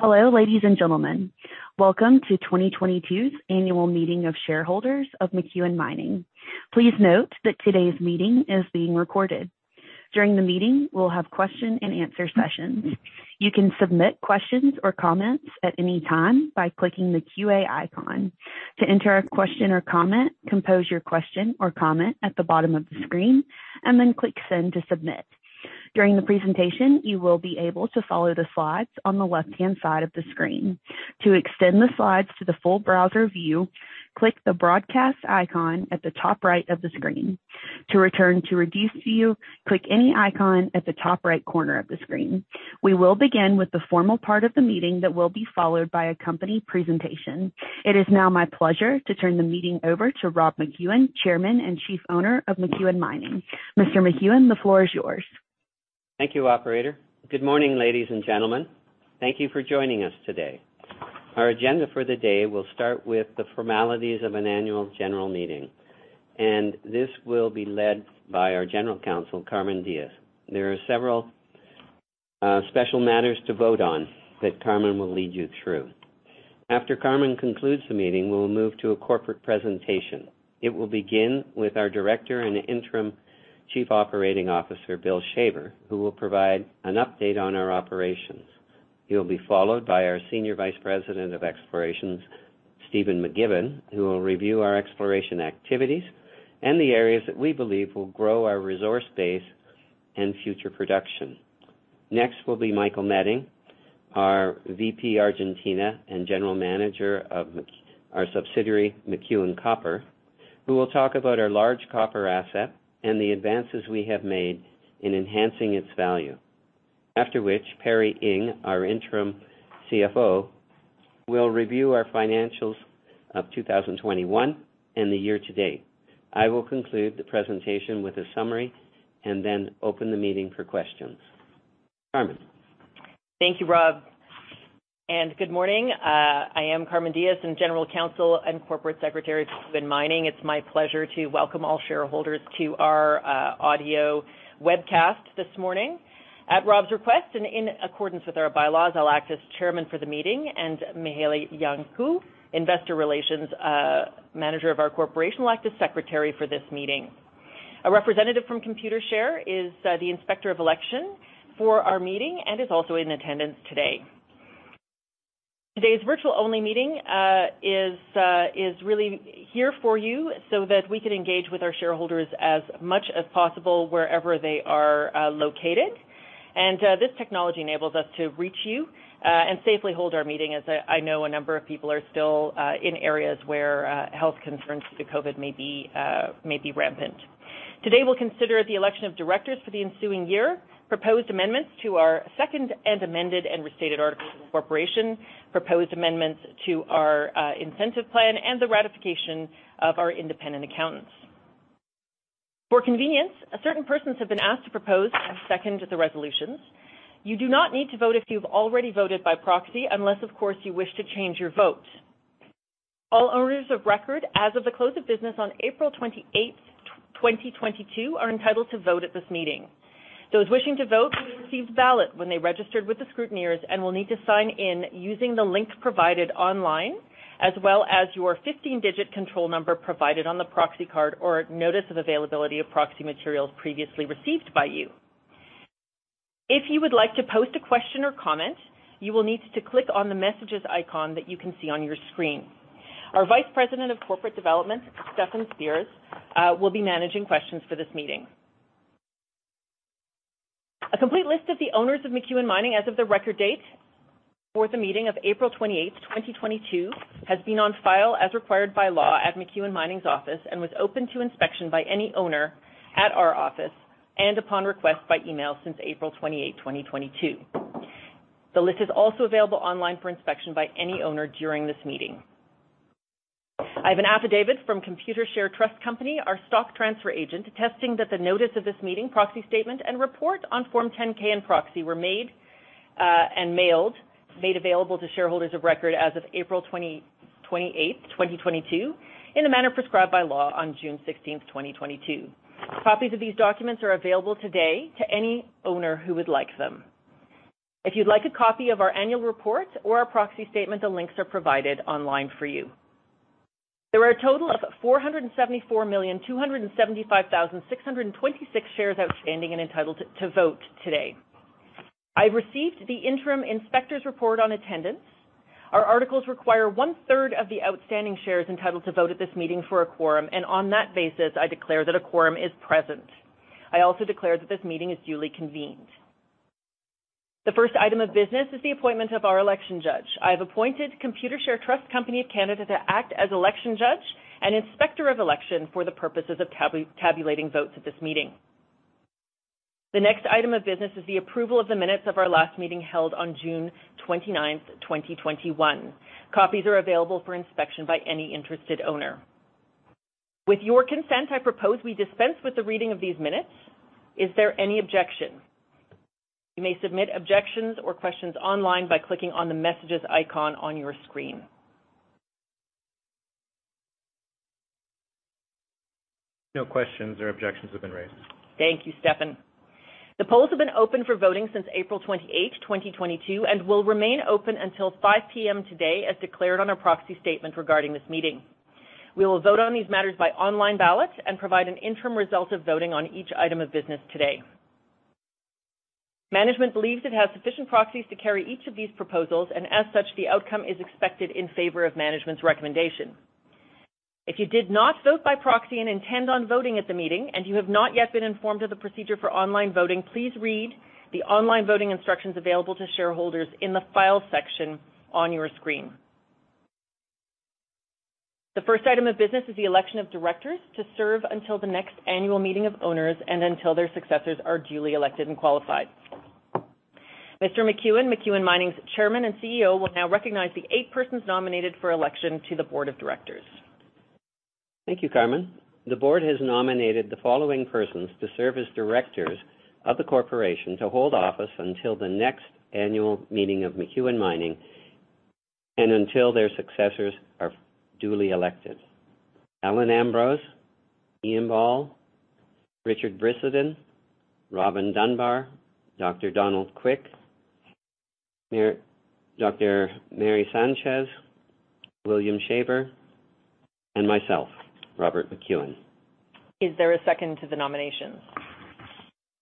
Hello, ladies and gentlemen. Welcome to 2022's annual meeting of shareholders of McEwen Mining. Please note that today's meeting is being recorded. During the meeting, we'll have question and answer sessions. You can submit questions or comments at any time by clicking the QA icon. To enter a question or comment, compose your question or comment at the bottom of the screen, and then click Send to submit. During the presentation, you will be able to follow the slides on the left-hand side of the screen. To extend the slides to the full browser view, click the Broadcast icon at the top right of the screen. To return to reduced view, click any icon at the top right corner of the screen. We will begin with the formal part of the meeting that will be followed by a company presentation. It is now my pleasure to turn the meeting over to Rob McEwen, Chairman and Chief owner of McEwen Mining. Mr. McEwen, the floor is yours. Thank you, operator. Good morning, ladies and gentlemen. Thank you for joining us today. Our agenda for the day will start with the formalities of an annual general meeting, and this will be led by our General Counsel, Carmen Diges. There are several special matters to vote on that Carmen will lead you through. After Carmen concludes the meeting, we'll move to a corporate presentation. It will begin with our Director and Interim Chief Operating Officer, Bill Shaver, who will provide an update on our operations. He'll be followed by our Senior Vice President of Exploration, Stephen McGibbon, who will review our exploration activities and the areas that we believe will grow our resource base and future production. Next will be Michael Meding, our VP, Argentina, and general manager of our subsidiary, McEwen Copper, who will talk about our large copper asset and the advances we have made in enhancing its value. After which, Perry Ing, our interim CFO, will review our financials of 2021 and the year-to-date. I will conclude the presentation with a summary and then open the meeting for questions. Carmen. Thank you, Rob, and good morning. I am Carmen Diges, General Counsel & Corporate Secretary for McEwen Mining. It's my pleasure to welcome all shareholders to our audio webcast this morning. At Rob's request and in accordance with our bylaws, I'll act as chairman for the meeting, and Mihaela Iancu, Investor Relations Manager of our corporation, will act as secretary for this meeting. A representative from Computershare is the inspector of election for our meeting and is also in attendance today. Today's virtual only meeting is really here for you so that we can engage with our shareholders as much as possible wherever they are located. This technology enables us to reach you and safely hold our meeting, as I know a number of people are still in areas where health concerns due to COVID may be rampant. Today, we'll consider the election of directors for the ensuing year, proposed amendments to our second amended and restated articles of incorporation, proposed amendments to our incentive plan, and the ratification of our independent accountants. For convenience, certain persons have been asked to propose and second the resolutions. You do not need to vote if you've already voted by proxy, unless of course you wish to change your vote. All owners of record as of the close of business on April 28, 2022 are entitled to vote at this meeting. Those wishing to vote received ballot when they registered with the scrutineers and will need to sign in using the link provided online, as well as your 15-digit control number provided on the proxy card or notice of availability of proxy materials previously received by you. If you would like to post a question or comment, you will need to click on the messages icon that you can see on your screen. Our Vice President of Corporate Development, Stefan Spears, will be managing questions for this meeting. A complete list of the owners of McEwen Mining as of the record date for the meeting of April 28, 2022, has been on file as required by law at McEwen Mining's office and was open to inspection by any owner at our office and upon request by email since April 28, 2022. The list is also available online for inspection by any owner during this meeting. I have an affidavit from Computershare Trust Company, our stock transfer agent, attesting that the notice of this meeting, proxy statement, and report on Form 10-K and proxy were mailed and made available to shareholders of record as of April 28, 2022, in the manner prescribed by law on June 16, 2022. Copies of these documents are available today to any owner who would like them. If you'd like a copy of our annual report or our proxy statement, the links are provided online for you. There are a total of 474,275,626 shares outstanding and entitled to vote today. I received the interim inspector's report on attendance. Our articles require 1/3 of the outstanding shares entitled to vote at this meeting for a quorum. On that basis, I declare that a quorum is present. I also declare that this meeting is duly convened. The first item of business is the appointment of our election judge. I have appointed Computershare Trust Company of Canada to act as election judge and inspector of election for the purposes of tabulating votes at this meeting. The next item of business is the approval of the minutes of our last meeting held on June 29, 2021. Copies are available for inspection by any interested owner. With your consent, I propose we dispense with the reading of these minutes. Is there any objection? You may submit objections or questions online by clicking on the messages icon on your screen. No questions or objections have been raised. Thank you, Stefan. The polls have been open for voting since April 28, 2022, and will remain open until 5:00 P.M. today, as declared on our proxy statement regarding this meeting. We will vote on these matters by online ballot and provide an interim result of voting on each item of business today. Management believes it has sufficient proxies to carry each of these proposals, and as such, the outcome is expected in favor of management's recommendation. If you did not vote by proxy and intend on voting at the meeting and you have not yet been informed of the procedure for online voting, please read the online voting instructions available to shareholders in the Files section on your screen. The first item of business is the election of directors to serve until the next annual meeting of owners and until their successors are duly elected and qualified. Mr. McEwen Mining's Chairman and CEO, will now recognize the eight persons nominated for election to the board of directors. Thank you, Carmen. The board has nominated the following persons to serve as directors of the corporation to hold office until the next annual meeting of McEwen Mining and until their successors are duly elected. Allen Ambrose, Ian Ball, Richard Brissenden, Robin Dunbar, Dr. Donald Quick, Dr. Maryse Bélanger, William Shaver, and myself, Robert McEwen. Is there a second to the nominations?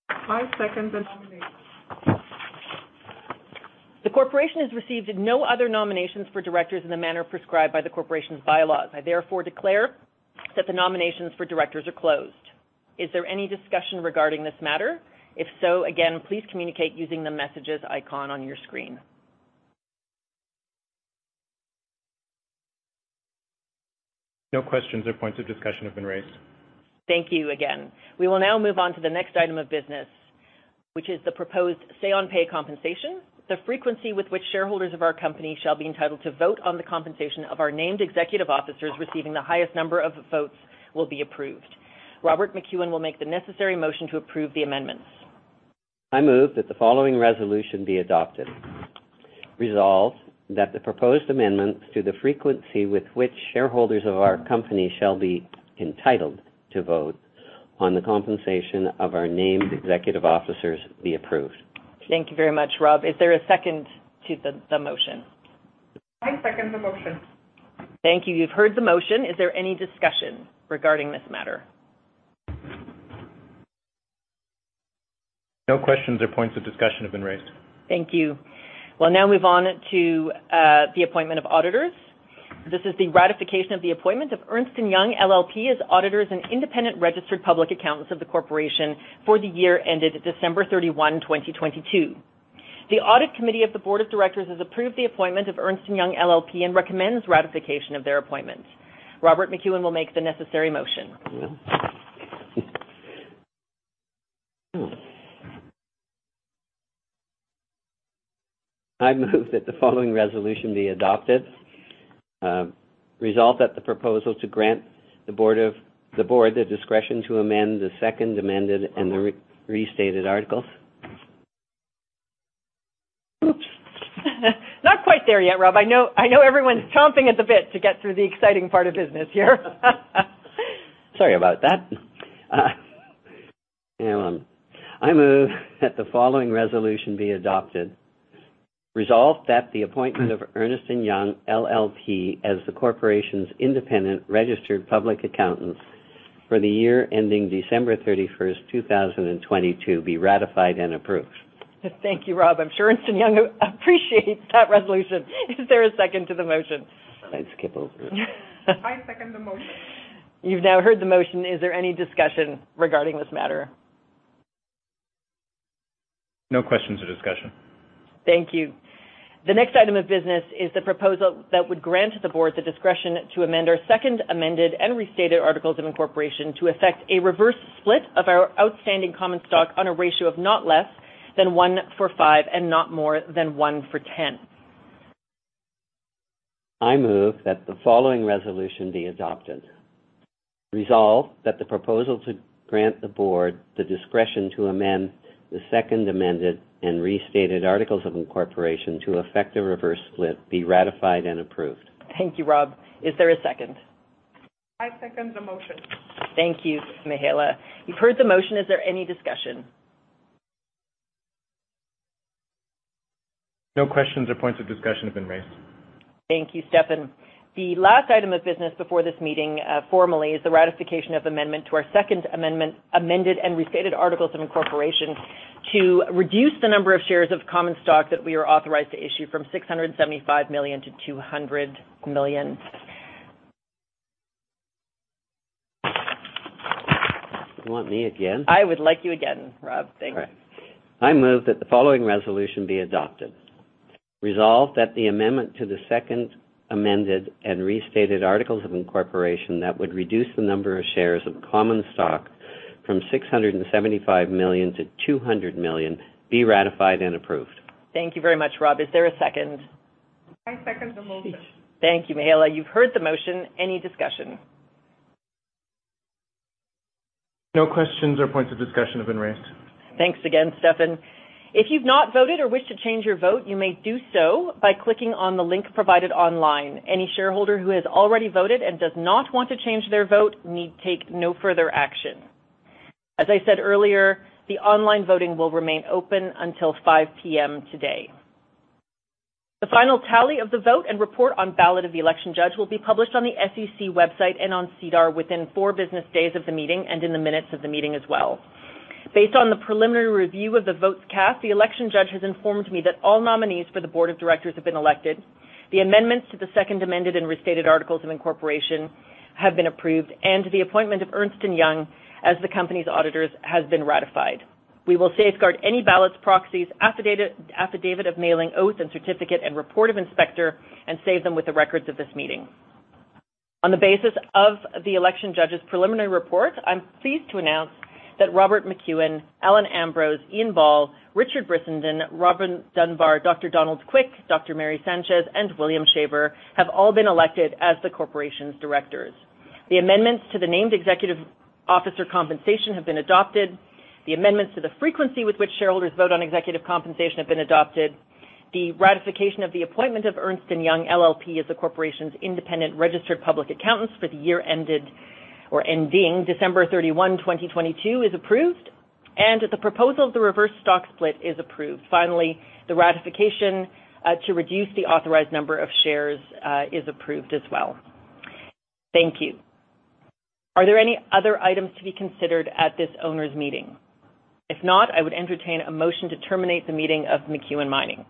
I second the nominations. The corporation has received no other nominations for directors in the manner prescribed by the corporation's bylaws. I therefore declare that the nominations for directors are closed. Is there any discussion regarding this matter? If so, again, please communicate using the messages icon on your screen. No questions or points of discussion have been raised. Thank you again. We will now move on to the next item of business, which is the proposed say on pay compensation. The frequency with which shareholders of our company shall be entitled to vote on the compensation of our named executive officers receiving the highest number of votes will be approved. Robert McEwen will make the necessary motion to approve the amendments. I move that the following resolution be adopted. Resolves that the proposed amendments to the frequency with which shareholders of our company shall be entitled to vote on the compensation of our named executive officers be approved. Thank you very much, Rob. Is there a second to the motion? I second the motion. Thank you. You've heard the motion. Is there any discussion regarding this matter? No questions or points of discussion have been raised. Thank you. We'll now move on to the appointment of auditors. This is the ratification of the appointment of Ernst & Young LLP as auditors and independent registered public accountants of the corporation for the year ended December 31, 2022. The audit committee of the board of directors has approved the appointment of Ernst & Young LLP and recommends ratification of their appointment. Robert McEwen will make the necessary motion. I move that the following resolution be adopted. Resolve that the proposal to grant the board the discretion to amend the second amended and the restated articles. Not quite there yet, Rob. I know, I know everyone's chomping at the bit to get through the exciting part of business here. I move that the following resolution be adopted. Resolved that the appointment of Ernst & Young LLP as the corporation's independent registered public accountants for the year ending December 31, 2022 be ratified and approved. Thank you, Rob. I'm sure Ernst & Young appreciates that resolution. Is there a second to the motion? Let's skip over it. I second the motion. You've now heard the motion. Is there any discussion regarding this matter? No questions or discussion. Thank you. The next item of business is the proposal that would grant the board the discretion to amend our second amended and restated articles of incorporation to effect a reverse split of our outstanding common stock on a ratio of not less than 1-for-5 and not more than 1-for-10. I move that the following resolution be adopted. Resolve that the proposal to grant the board the discretion to amend the second amended and restated articles of incorporation to effect a reverse split be ratified and approved. Thank you, Rob. Is there a second? I second the motion. Thank you, Mihaela. You've heard the motion. Is there any discussion? No questions or points of discussion have been raised. Thank you, Stefan. The last item of business before this meeting formally is the ratification of amendment to our Second Amended and Restated Articles of Incorporation to reduce the number of shares of common stock that we are authorized to issue from 675 million-200 million. You want me again? Thank you again, Rob. Thanks. All right. I move that the following resolution be adopted. Resolve that the amendment to the Second Amended and Restated Articles of Incorporation that would reduce the number of shares of common stock from 675 million-200 million be ratified and approved. Thank you very much, Rob. Is there a second? I second the motion. Thank you, Mihaela. You've heard the motion. Any discussion? No questions or points of discussion have been raised. Thanks again, Stefan. If you've not voted or wish to change your vote, you may do so by clicking on the link provided online. Any shareholder who has already voted and does not want to change their vote need take no further action. As I said earlier, the online voting will remain open until 5:00 P.M. today. The final tally of the vote and report on ballot of the election judge will be published on the SEC website and on SEDAR within four business days of the meeting and in the minutes of the meeting as well. Based on the preliminary review of the votes cast, the election judge has informed me that all nominees for the board of directors have been elected. The amendments to the second amended and restated articles of incorporation have been approved, and the appointment of Ernst & Young as the company's auditors has been ratified. We will safeguard any ballots, proxies, affidavit of mailing oath and certificate and report of inspector and save them with the records of this meeting. On the basis of the election judge's preliminary report, I'm pleased to announce that Robert McEwen, Allen Ambrose, Ian Ball, Richard Brissenden, Robin Dunbar, Dr. Donald Quick, Maryse Bélanger, and William Shaver have all been elected as the corporation's directors. The amendments to the named executive officer compensation have been adopted. The amendments to the frequency with which shareholders vote on executive compensation have been adopted. The ratification of the appointment of Ernst & Young LLP as the corporation's independent registered public accountants for the year ended or ending December 31, 2022 is approved. The proposal of the reverse stock split is approved. Finally, the ratification to reduce the authorized number of shares is approved as well. Thank you. Are there any other items to be considered at this owner's meeting? If not, I would entertain a motion to terminate the meeting of McEwen Mining.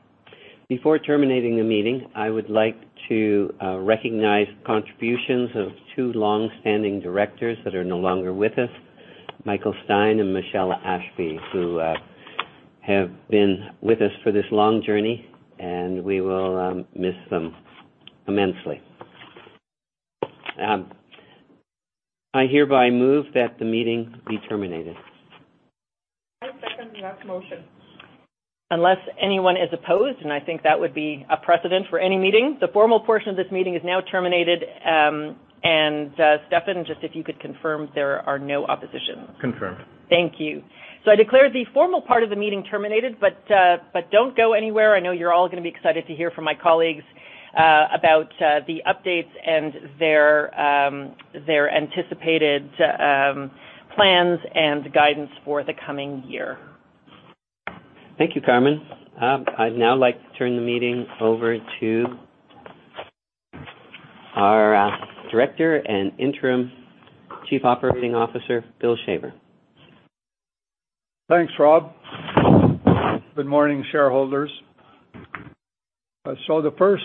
Before terminating the meeting, I would like to recognize contributions of two long-standing directors that are no longer with us, Michael Stein and Michele Ashby, who have been with us for this long journey, and we will miss them immensely. I hereby move that the meeting be terminated. I second that motion. Unless anyone is opposed, and I think that would be a precedent for any meeting, the formal portion of this meeting is now terminated. Stefan, just if you could confirm there are no oppositions. Confirmed. Thank you. I declare the formal part of the meeting terminated, but don't go anywhere. I know you're all gonna be excited to hear from my colleagues about the updates and their anticipated plans and guidance for the coming year. Thank you, Carmen. I'd now like to turn the meeting over to our director and Interim Chief Operating Officer, Bill Shaver. Thanks, Rob. Good morning, shareholders. The first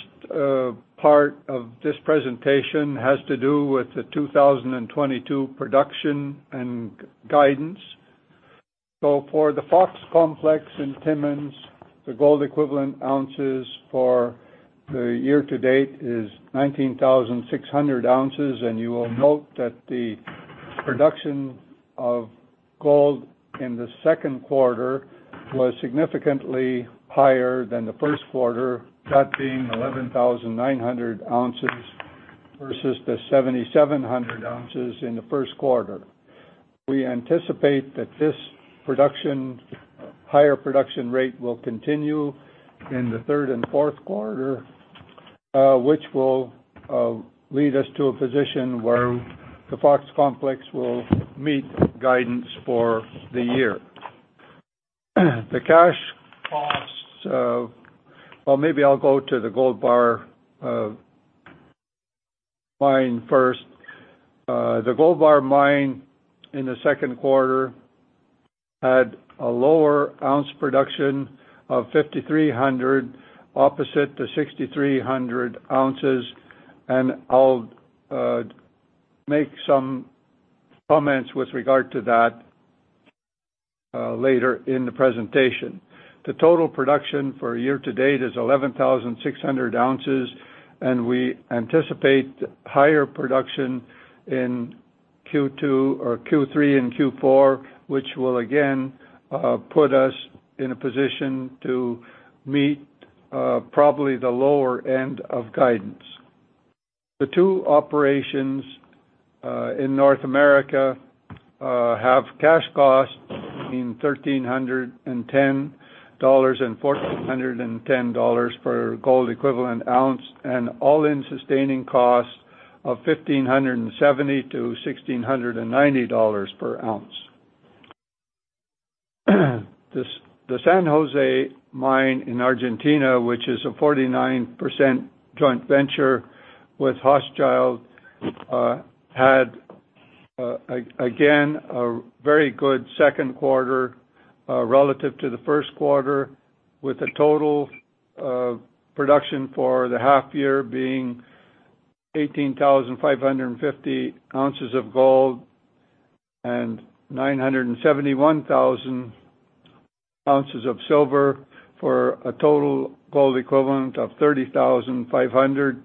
part of this presentation has to do with the 2022 production and guidance. For the Fox Complex in Timmins, the gold equivalent oz for the year-to-date is 19,600 oz, and you will note that the production of gold in the second quarter was significantly higher than the first quarter, that being 11,900 oz versus the 7,700 oz in the first quarter. We anticipate that this production, higher production rate will continue in the third and fourth quarter, which will lead us to a position where the Fox Complex will meet guidance for the year. The cash costs. Well, maybe I'll go to the Gold Bar Mine first. The Gold Bar Mine, in the second quarter, had a lower oz production of 5,300 oz opposite the 6,300 oz, and I'll make some comments with regard to that later in the presentation. The total production for year-to-date is 11,600 oz, and we anticipate higher production in Q2 or Q3 and Q4, which will again put us in a position to meet probably the lower end of guidance. The two operations in North America have cash costs between $1,310 and $1,410 per gold equivalent oz, and all-in sustaining costs of $1,570-$1,690 per oz. The San José Mine in Argentina, which is a 49% joint venture with Hochschild Mining, had a very good second quarter relative to the first quarter, with a total production for the half year being 18,550 oz of gold and 971,000 oz of silver for a total gold equivalent of 30,500 oz.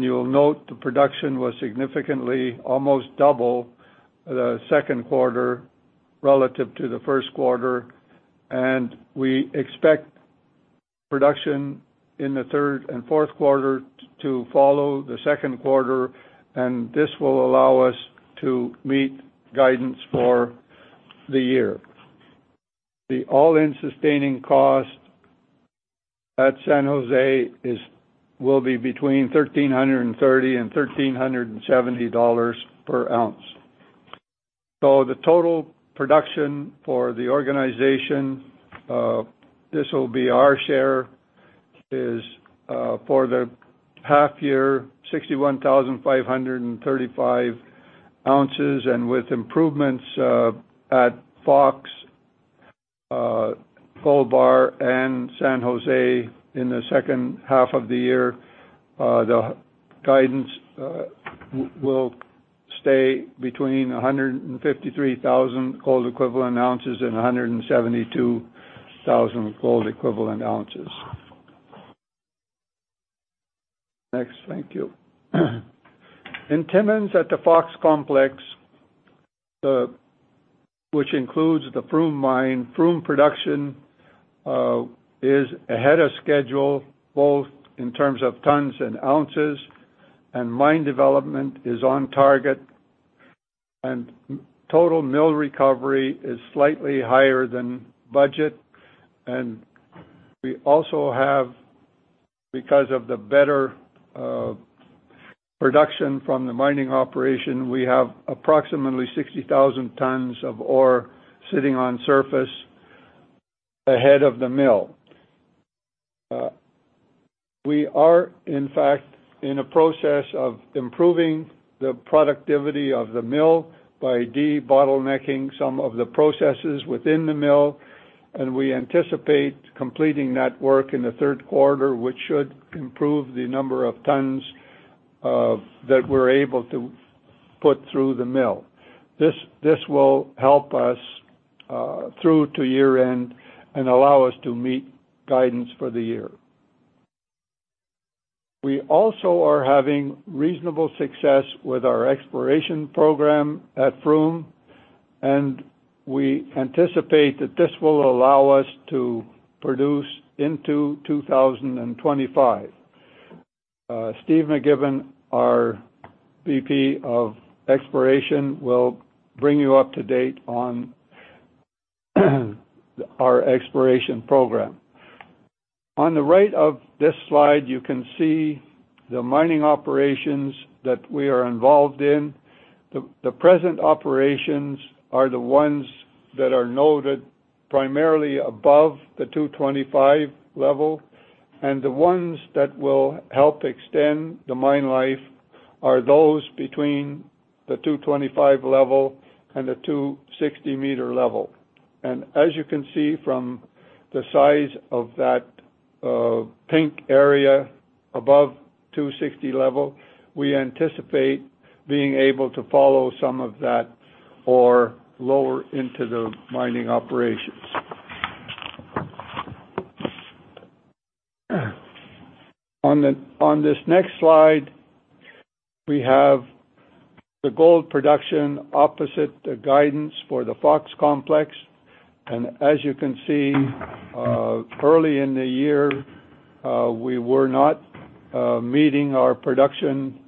You'll note the production was significantly almost double the second quarter relative to the first quarter. We expect production in the third and fourth quarter to follow the second quarter, and this will allow us to meet guidance for the year. The all-in sustaining cost at San José will be between $1,330 and $1,370 per oz. The total production for the organization, this will be our share, is for the half year 61,535 oz. With improvements at Fox, Gold Bar, and San José in the second half of the year, the guidance will stay between 153,000 gold equivalent oz and 172,000 gold equivalent oz. Next, thank you. In Timmins at the Fox Complex, which includes the Froome Mine, Froome production is ahead of schedule, both in terms of tons and oz, and mine development is on target. Total mill recovery is slightly higher than budget. We also have, because of the better production from the mining operation, we have approximately 60,000 tons of ore sitting on surface ahead of the mill. We are in fact in a process of improving the productivity of the mill by de-bottlenecking some of the processes within the mill, and we anticipate completing that work in the third quarter, which should improve the number of tons that we're able to put through the mill. This will help us through to year-end and allow us to meet guidance for the year. We also are having reasonable success with our exploration program at Froome, and we anticipate that this will allow us to produce into 2025. Stephen McGibbon, our VP of Exploration, will bring you up to date on our exploration program. On the right of this slide, you can see the mining operations that we are involved in. The present operations are the ones that are noted primarily above the 225 level. The ones that will help extend the mine life are those between the 225 level and the 260 meter level. As you can see from the size of that pink area above 260 level, we anticipate being able to follow some of that ore lower into the mining operations. On this next slide, we have the gold production opposite the guidance for the Fox Complex. As you can see, early in the year, we were not meeting our production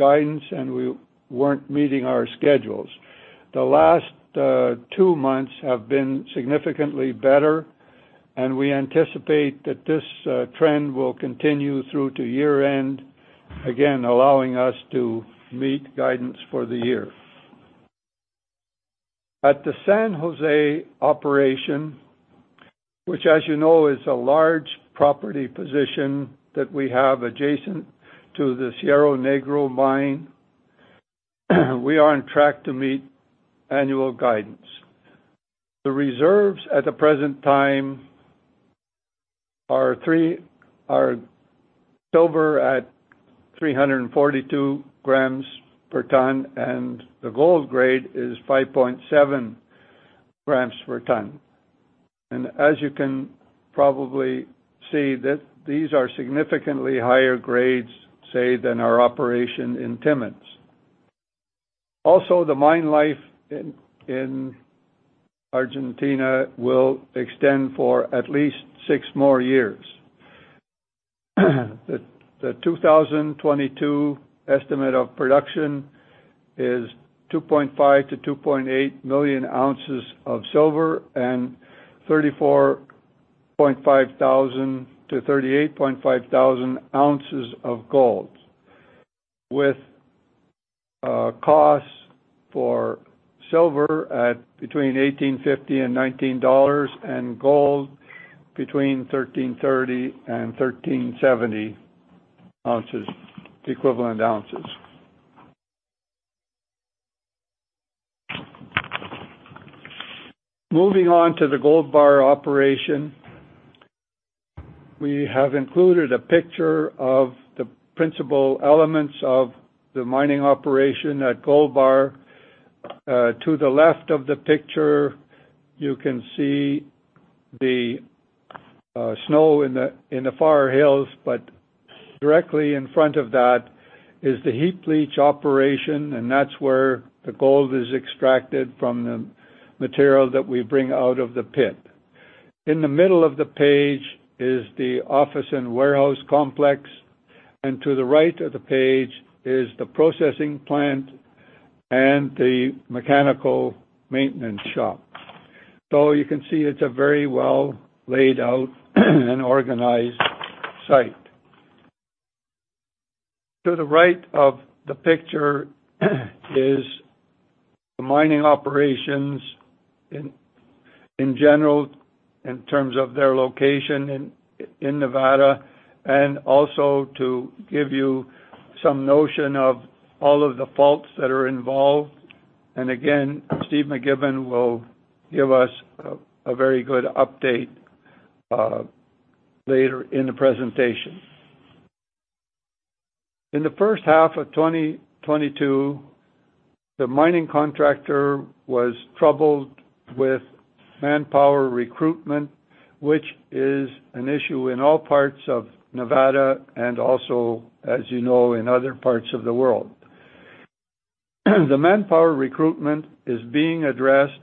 guidance, and we weren't meeting our schedules. The last two months have been significantly better, and we anticipate that this trend will continue through to year-end, again, allowing us to meet guidance for the year. At the San José operation, which as you know is a large property position that we have adjacent to the Cerro Negro mine, we are on track to meet annual guidance. The reserves at the present time are silver at 342 g per tonne, and the gold grade is 5.7 g per tonne. As you can probably see, these are significantly higher grades, say, than our operation in Timmins. Also, the mine life in Argentina will extend for at least 6 more years. The 2022 estimate of production is 2.5 million oz-2.8 million oz of silver and 34,500 oz-38,500 oz of gold, with costs for silver at between $18.50 and $19, and gold between $13.30 and $13.70 equivalent oz. Moving on to the Gold Bar operation. We have included a picture of the principal elements of the mining operation at Gold Bar. To the left of the picture, you can see the snow in the far hills, but directly in front of that is the heap leach operation, and that's where the gold is extracted from the material that we bring out of the pit. In the middle of the page is the office and warehouse complex. To the right of the page is the processing plant and the mechanical maintenance shop. You can see it's a very well laid out and organized site. To the right of the picture is the mining operations in general, in terms of their location in Nevada, and also to give you some notion of all of the faults that are involved. Again, Stephen McGibbon will give us a very good update later in the presentation. In the first half of 2022, the mining contractor was troubled with manpower recruitment, which is an issue in all parts of Nevada and also, as you know, in other parts of the world. The manpower recruitment is being addressed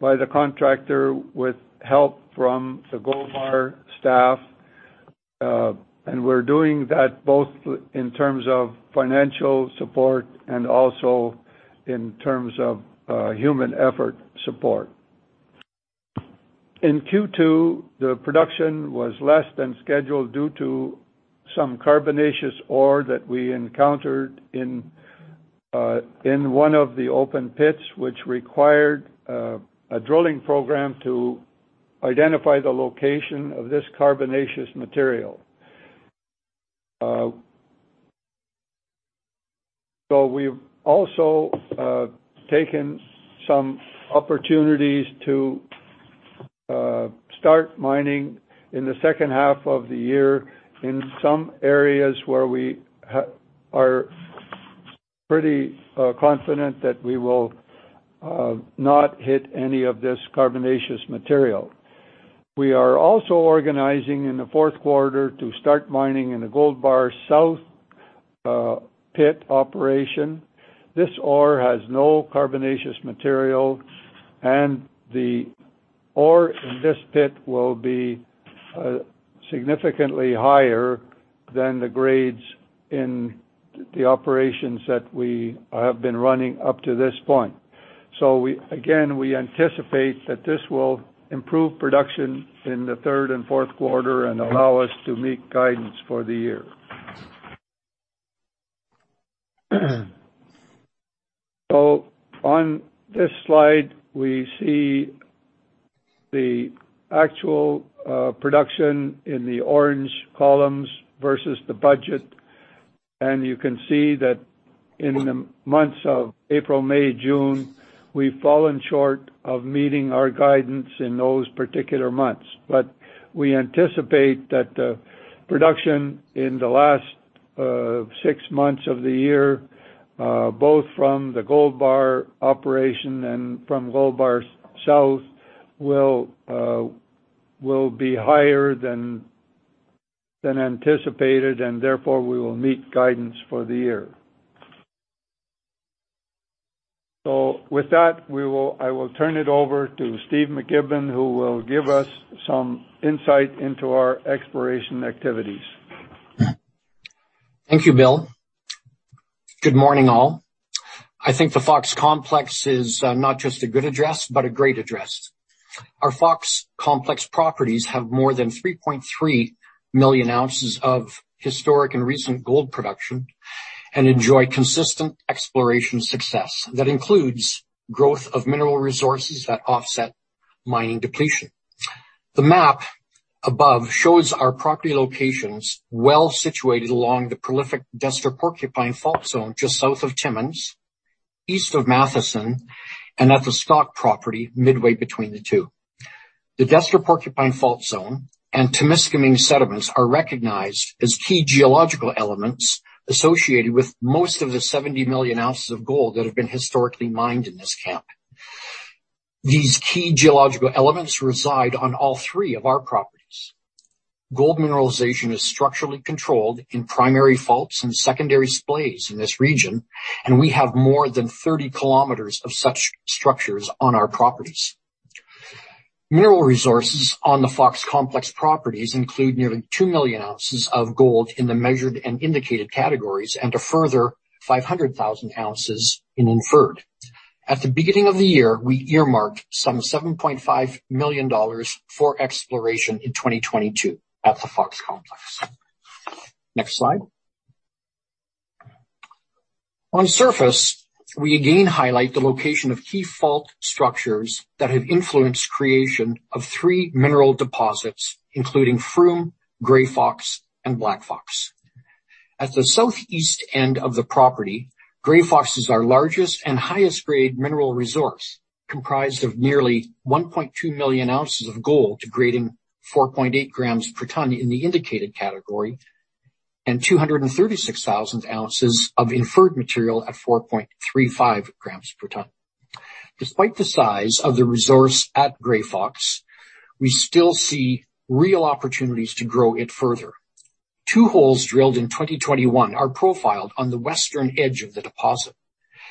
by the contractor with help from the Gold Bar staff, and we're doing that both in terms of financial support and also in terms of human effort support. In Q2, the production was less than scheduled due to some carbonaceous ore that we encountered in one of the open pits, which required a drilling program to identify the location of this carbonaceous material. We've also taken some opportunities to start mining in the second half of the year in some areas where we are pretty confident that we will not hit any of this carbonaceous material. We are also organizing in the fourth quarter to start mining in the Gold Bar South pit operation. This ore has no carbonaceous material, and the ore in this pit will be significantly higher than the grades in the operations that we have been running up to this point. Again, we anticipate that this will improve production in the third and fourth quarter and allow us to meet guidance for the year. On this slide, we see the actual production in the orange columns versus the budget. You can see that in the months of April, May, June, we've fallen short of meeting our guidance in those particular months. We anticipate that production in the last six months of the year, both from the Gold Bar operation and from Gold Bar South will be higher than anticipated, and therefore we will meet guidance for the year. With that, I will turn it over to Stephen McGibbon, who will give us some insight into our exploration activities. Thank you, Bill. Good morning, all. I think the Fox Complex is not just a good address, but a great address. Our Fox Complex properties have more than 3.3 million oz of historic and recent gold production and enjoy consistent exploration success that includes growth of mineral resources that offset mining depletion. The map above shows our property locations well situated along the prolific Destor-Porcupine fault zone just south of Timmins, east of Matheson, and at the Stock Property midway between the two. The Destor-Porcupine fault zone and Timiskaming sediments are recognized as key geological elements associated with most of the 70 million oz of gold that have been historically mined in this camp. These key geological elements reside on all three of our properties. Gold mineralization is structurally controlled in primary faults and secondary splays in this region, and we have more than 30 km of such structures on our properties. Mineral resources on the Fox Complex properties include nearly 2 million oz of gold in the measured and indicated categories, and a further 500,000 oz in inferred. At the beginning of the year, we earmarked some $7.5 million for exploration in 2022 at the Fox Complex. Next slide. On surface, we again highlight the location of key fault structures that have influenced creation of three mineral deposits, including Froome, Grey Fox, and Black Fox. At the southeast end of the property, Grey Fox is our largest and highest grade mineral resource, comprised of nearly 1.2 million oz of gold grading 4.8 g per ton in the indicated category, and 236,000 oz of inferred material at 4.35 g per ton. Despite the size of the resource at Grey Fox, we still see real opportunities to grow it further. Two holes drilled in 2021 are profiled on the western edge of the deposit.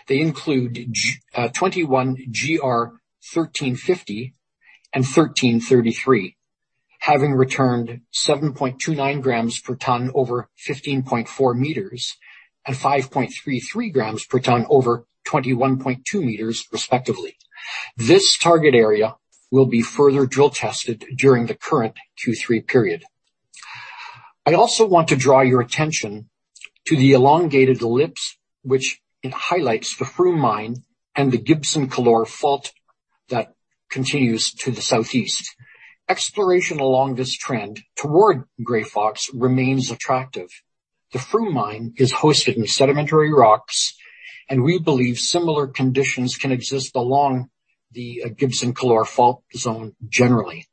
They include 21GF-1350 and 21GF-1333, having returned 7.29 g per ton over 15.4 m and 5.33 g per ton over 21.2 m respectively. This target area will be further drill tested during the current Q3 period. I also want to draw your attention to the elongated ellipse, which highlights the Froome Mine and the Gibson-Couloir fault that continues to the southeast. Exploration along this trend toward Grey Fox remains attractive. The Froome Mine is hosted in sedimentary rocks, and we believe similar conditions can exist along the Gibson-Couloir fault zone generally.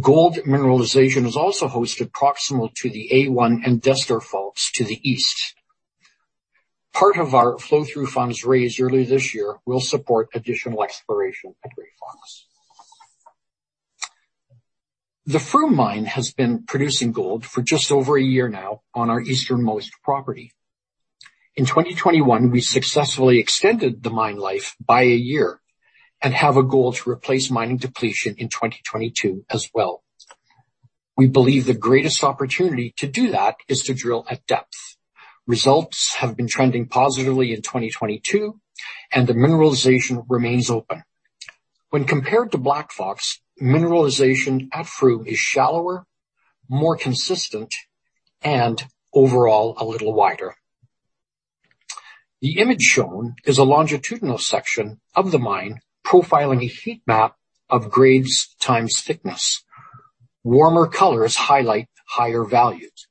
Gold mineralization is also hosted proximal to the A1 and Destor faults to the east. Part of our flow-through funds raised early this year will support additional exploration at Grey Fox. The Froome Mine has been producing gold for just over a year now on our easternmost property. In 2021, we successfully extended the mine life by a year and have a goal to replace mining depletion in 2022 as well. We believe the greatest opportunity to do that is to drill at depth. Results have been trending positively in 2022, and the mineralization remains open. When compared to Black Fox, mineralization at Froome is shallower, more consistent, and overall, a little wider. The image shown is a longitudinal section of the mine profiling a heat map of grades times thickness. Warmer colors highlight higher values.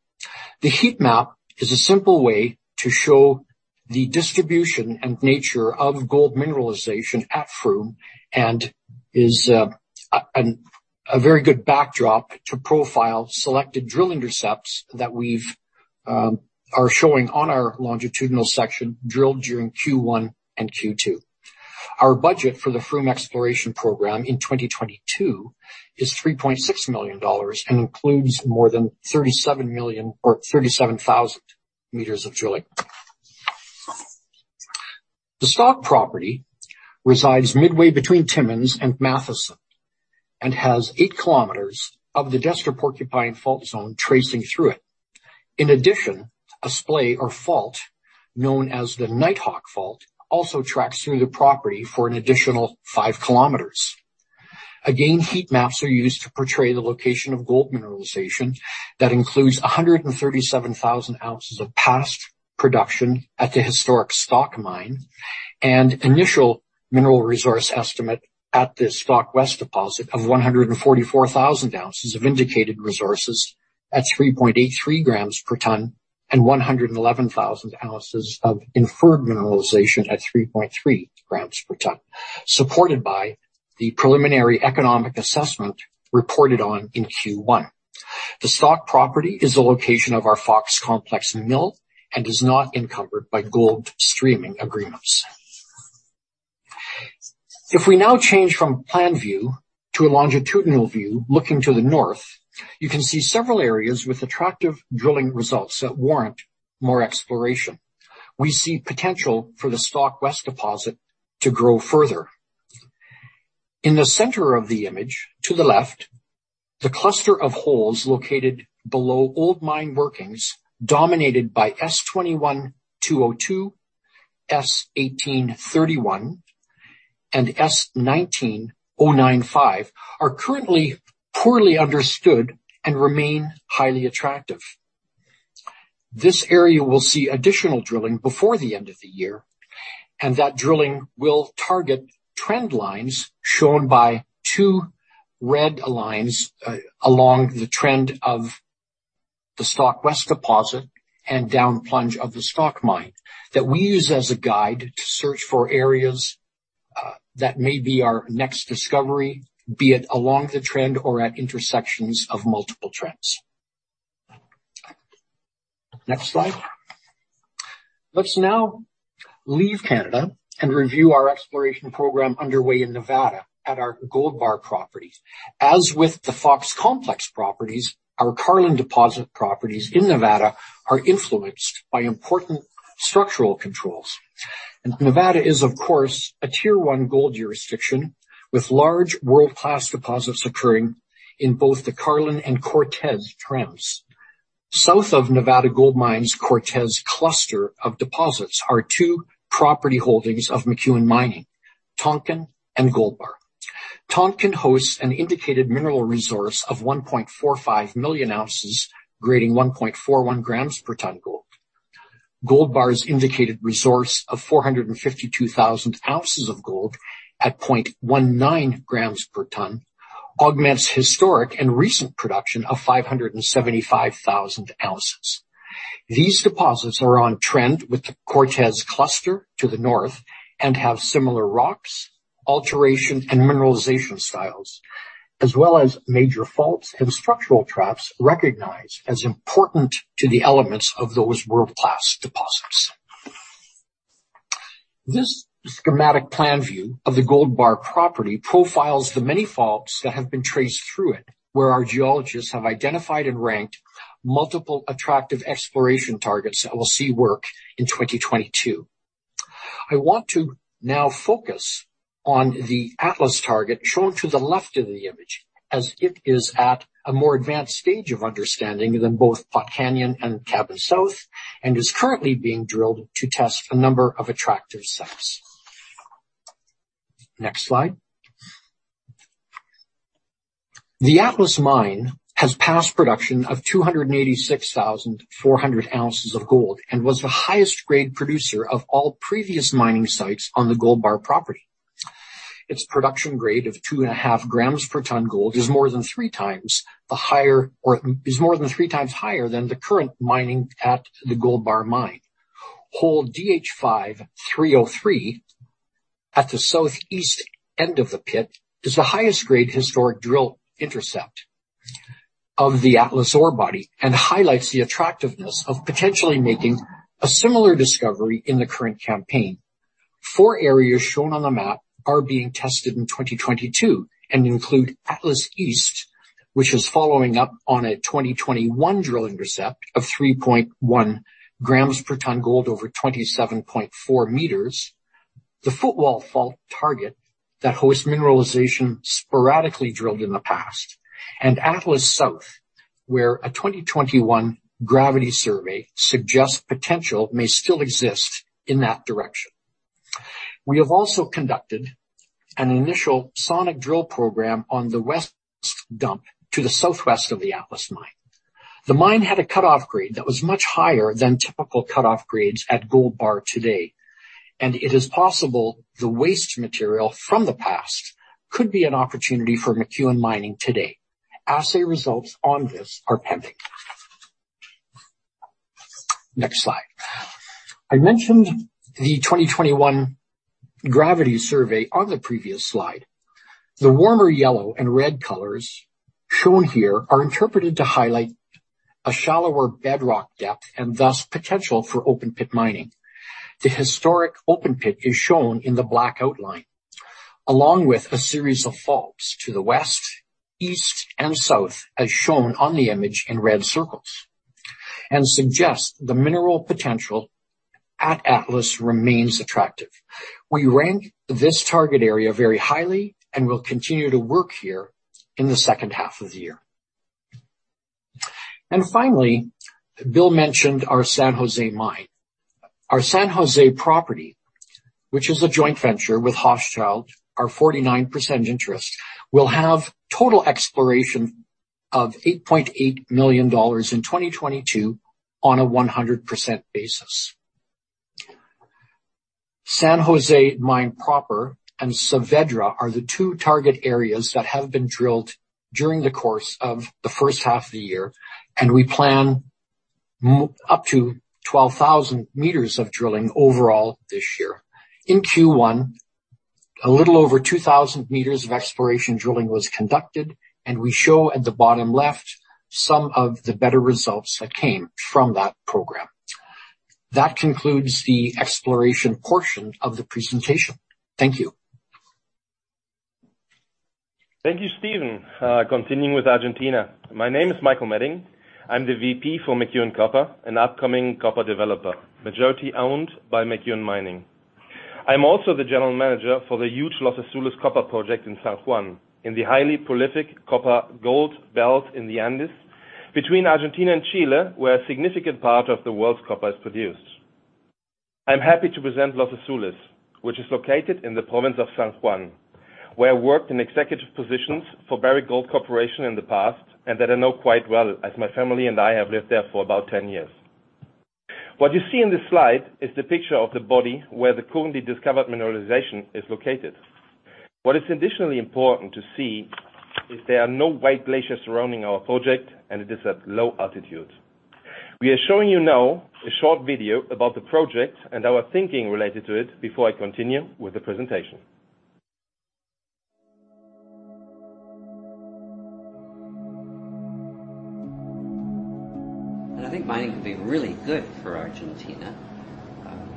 The heat map is a simple way to show the distribution and nature of gold mineralization at Froome, and is a very good backdrop to profile selected drill intercepts that we are showing on our longitudinal section drilled during Q1 and Q2. Our budget for the Froome exploration program in 2022 is $3.6 million and includes more than 37,000 m of drilling. The Stock Property resides midway between Timmins and Matheson and has 8 km of the Destor-Porcupine fault zone tracing through it. In addition, a splay or fault known as the Nighthawk fault also tracks through the property for an additional 5 km. Again, heat maps are used to portray the location of gold mineralization that includes 137,000 oz of past production at the historic Stock mine and initial mineral resource estimate at the Stock West deposit of 144,000 oz of indicated resources at 3.83 g per ton and 111,000 oz of inferred mineralization at 3.3 g per ton, supported by the preliminary economic assessment reported on in Q1. The Stock property is the location of our Fox Complex mill and is not encumbered by gold streaming agreements. If we now change from plan view to a longitudinal view looking to the north, you can see several areas with attractive drilling results that warrant more exploration. We see potential for the Stock West deposit to grow further. In the center of the image to the left, the cluster of holes located below old mine workings dominated by S21-202, S18-31, and S19-095, are currently poorly understood and remain highly attractive. This area will see additional drilling before the end of the year, and that drilling will target trend lines shown by two red lines, along the trend of the Stock West deposit and down plunge of the Stock mine that we use as a guide to search for areas, that may be our next discovery, be it along the trend or at intersections of multiple trends. Next slide. Let's now leave Canada and review our exploration program underway in Nevada at our Gold Bar property. As with the Fox Complex properties, our Carlin deposit properties in Nevada are influenced by important structural controls. Nevada is, of course, a tier one gold jurisdiction with large world-class deposits occurring in both the Carlin and Cortez trends. South of Nevada Gold Mines' Cortez cluster of deposits are two property holdings of McEwen Mining, Tonkin and Gold Bar. Tonkin hosts an indicated mineral resource of 1.45 million oz, grading 1.41 g per ton gold. Gold Bar's indicated resource of 452,000 oz of gold at 0.19 g per ton augments historic and recent production of 575,000 oz. These deposits are on trend with the Cortez Complex to the north and have similar rocks, alteration, and mineralization styles. As well as major faults and structural traps recognized as important to the elements of those world-class deposits. This schematic plan view of the Gold Bar property profiles the many faults that have been traced through it, where our geologists have identified and ranked multiple attractive exploration targets that will see work in 2022. I want to now focus on the Atlas target shown to the left of the image, as it is at a more advanced stage of understanding than both Pot Canyon and Cabin South, and is currently being drilled to test a number of attractive sets. Next slide. The Atlas Mine has past production of 286,400 oz of gold, and was the highest grade producer of all previous mining sites on the Gold Bar property. Its production grade of 2.5 g per ton gold is more than three times higher than the current mining at the Gold Bar Mine. Hole DH5-303 at the southeast end of the pit is the highest grade historic drill intercept of the Atlas ore body and highlights the attractiveness of potentially making a similar discovery in the current campaign. Four areas shown on the map are being tested in 2022 and include Atlas East, which is following up on a 2021 drilling intercept of 3.1 g per ton gold over 27.4 m. The footwall fault target that hosts mineralization sporadically drilled in the past. Atlas South, where a 2021 gravity survey suggests potential may still exist in that direction. We have also conducted an initial sonic drill program on the west dump to the southwest of the Atlas mine. The mine had a cut-off grade that was much higher than typical cut-off grades at Gold Bar today, and it is possible the waste material from the past could be an opportunity for McEwen Mining today. Assay results on this are pending. Next slide. I mentioned the 2021 gravity survey on the previous slide. The warmer yellow and red colors shown here are interpreted to highlight a shallower bedrock depth and thus potential for open pit mining. The historic open pit is shown in the black outline, along with a series of faults to the west, east, and south as shown on the image in red circles, and suggests the mineral potential at Atlas remains attractive. We rank this target area very highly and will continue to work here in the second half of the year. Finally, Bill mentioned our San José mine. Our San José property, which is a joint venture with Hochschild Mining, our 49% interest, will have total exploration of $8.8 million in 2022 on a 100% basis. San José Mine proper and Saavedra are the two target areas that have been drilled during the course of the first half of the year, and we plan up to 12,000 m of drilling overall this year. In Q1, a little over 2,000 m of exploration drilling was conducted, and we show at the bottom left some of the better results that came from that program. That concludes the exploration portion of the presentation. Thank you. Thank you, Stepen. Continuing with Argentina. My name is Michael Meding. I'm the VP for McEwen Copper, an upcoming copper developer, majority owned by McEwen Mining. I'm also the general manager for the huge Los Azules copper project in San Juan in the highly prolific copper gold belt in the Andes between Argentina and Chile, where a significant part of the world's copper is produced. I'm happy to present Los Azules, which is located in the province of San Juan, where I worked in executive positions for Barrick Gold Corporation in the past, and that I know quite well, as my family and I have lived there for about 10 years. What you see in this slide is the picture of the body where the currently discovered mineralization is located. What is additionally important to see is there are no white glaciers surrounding our project, and it is at low altitude. We are showing you now a short video about the project and our thinking related to it before I continue with the presentation. I think mining can be really good for Argentina.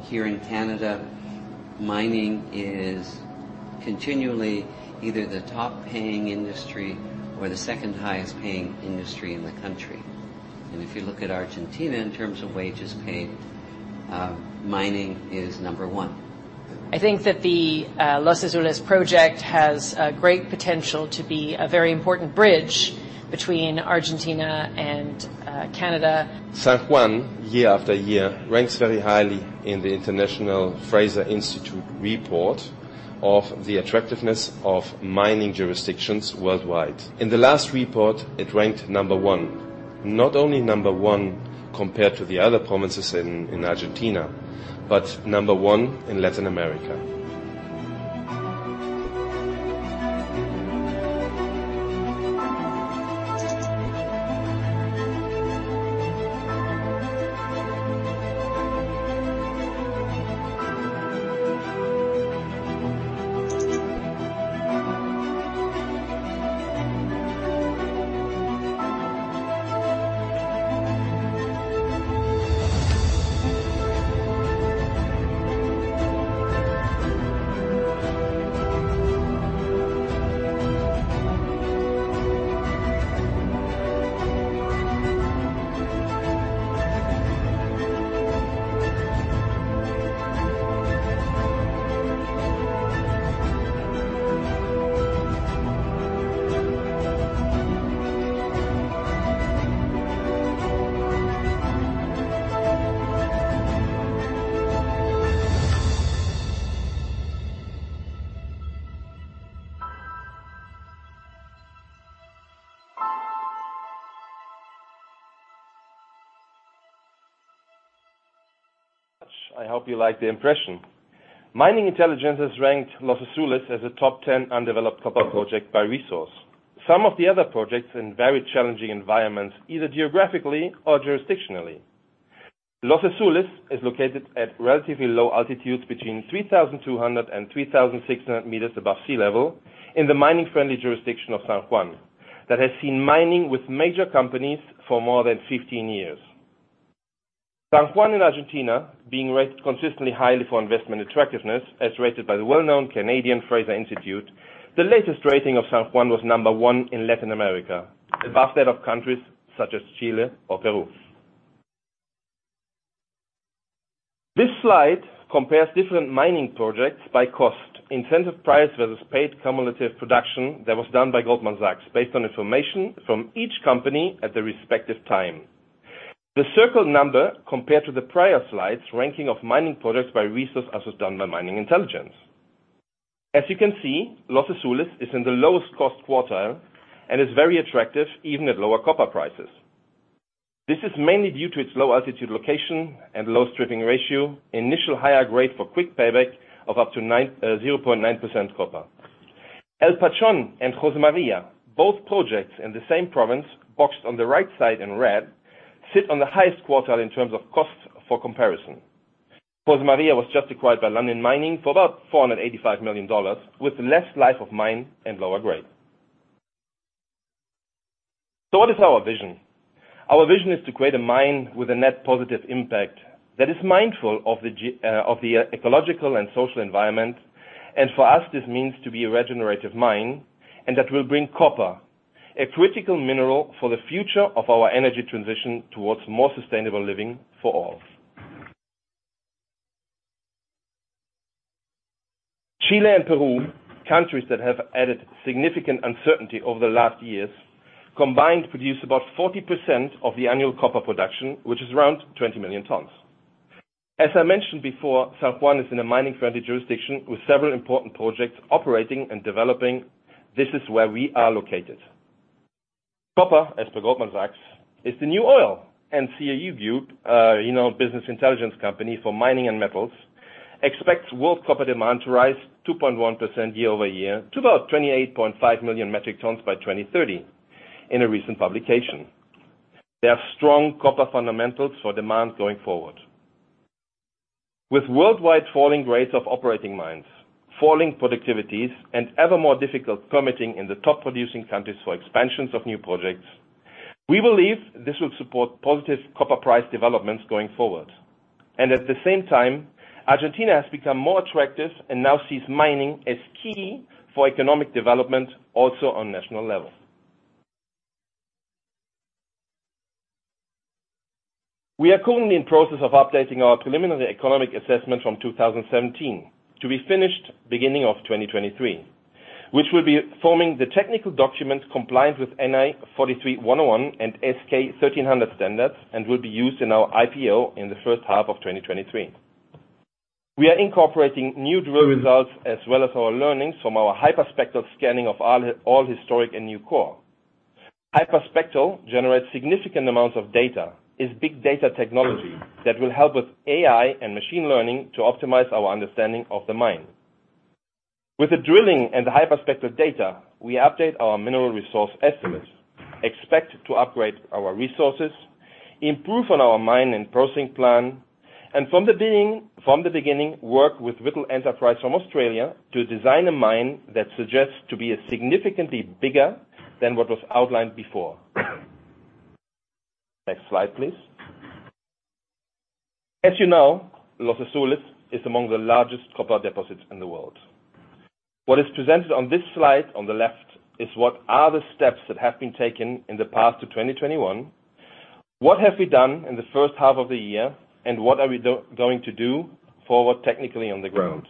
Here in Canada, mining is continually either the top paying industry or the second highest paying industry in the country. If you look at Argentina in terms of wages paid, mining is number one. I think that the Los Azules project has great potential to be a very important bridge between Argentina and Canada. San Juan, year after year, ranks very highly in the Fraser Institute report of the attractiveness of mining jurisdictions worldwide. In the last report, it ranked number one, not only number one compared to the other provinces in Argentina, but number one in Latin America. I hope you like the impression. Mining Intelligence has ranked Los Azules as a top ten undeveloped copper project by resource. Some of the other projects in very challenging environments, either geographically or jurisdictionally. Los Azules is located at relatively low altitudes between 3,200 and 3,600 m above sea level in the mining-friendly jurisdiction of San Juan that has seen mining with major companies for more than 15 years. San Juan in Argentina being rated consistently highly for investment attractiveness as rated by the well-known Canadian Fraser Institute. The latest rating of San Juan was number one in Latin America, above that of countries such as Chile or Peru. This slide compares different mining projects by cost. Incentive price versus payback cumulative production that was done by Goldman Sachs based on information from each company at their respective times. The circle number compared to the prior slide's ranking of mining projects by resource, as was done by Mining Intelligence. As you can see, Los Azules is in the lowest cost quartile and is very attractive even at lower copper prices. This is mainly due to its low altitude location and low stripping ratio, initial higher grade for quick payback of up to 0.9% copper. El Pachón and Josemaría, both projects in the same province boxed on the right side in red, sit on the highest quartile in terms of cost for comparison. Josemaría was just acquired by Lundin Mining for about $485 million with less life of mine and lower grade. What is our vision? Our vision is to create a mine with a net positive impact that is mindful of the ecological and social environment. For us, this means to be a regenerative mine and that will bring copper, a critical mineral for the future of our energy transition towards more sustainable living for all. Chile and Peru, countries that have added significant uncertainty over the last years, combined produce about 40% of the annual copper production, which is around 20 million tons. As I mentioned before, San Juan is in a mining-friendly jurisdiction with several important projects operating and developing. This is where we are located. Copper, as per Goldman Sachs, is the new oil, and CRU Group, you know, business intelligence company for mining and metals, expects world copper demand to rise 2.1% year-over-year to about 28.5 million metric tons by 2030 in a recent publication. They have strong copper fundamentals for demand going forward. With worldwide falling rates of operating mines, falling productivities and ever more difficult permitting in the top producing countries for expansions of new projects. We believe this will support positive copper price developments going forward. At the same time, Argentina has become more attractive and now sees mining as key for economic development also on national level. We are currently in process of updating our preliminary economic assessment from 2017 to be finished beginning of 2023, which will be forming the technical document compliance with NI 43-101 and S-K 1300 standards and will be used in our IPO in the first half of 2023. We are incorporating new drill results as well as our learnings from our hyperspectral scanning of all historic and new core. Hyperspectral generates significant amounts of data, is big data technology that will help with AI and machine learning to optimize our understanding of the mine. With the drilling and the hyperspectral data, we update our mineral resource estimates, expect to upgrade our resources, improve on our mine and processing plan, and from the beginning, work with Whittle Consulting from Australia to design a mine that suggests to be significantly bigger than what was outlined before. Next slide, please. As you know, Los Azules is among the largest copper deposits in the world. What is presented on this slide on the left is what are the steps that have been taken in the past to 2021, what have we done in the first half of the year, and what are we going to do forward technically on the ground?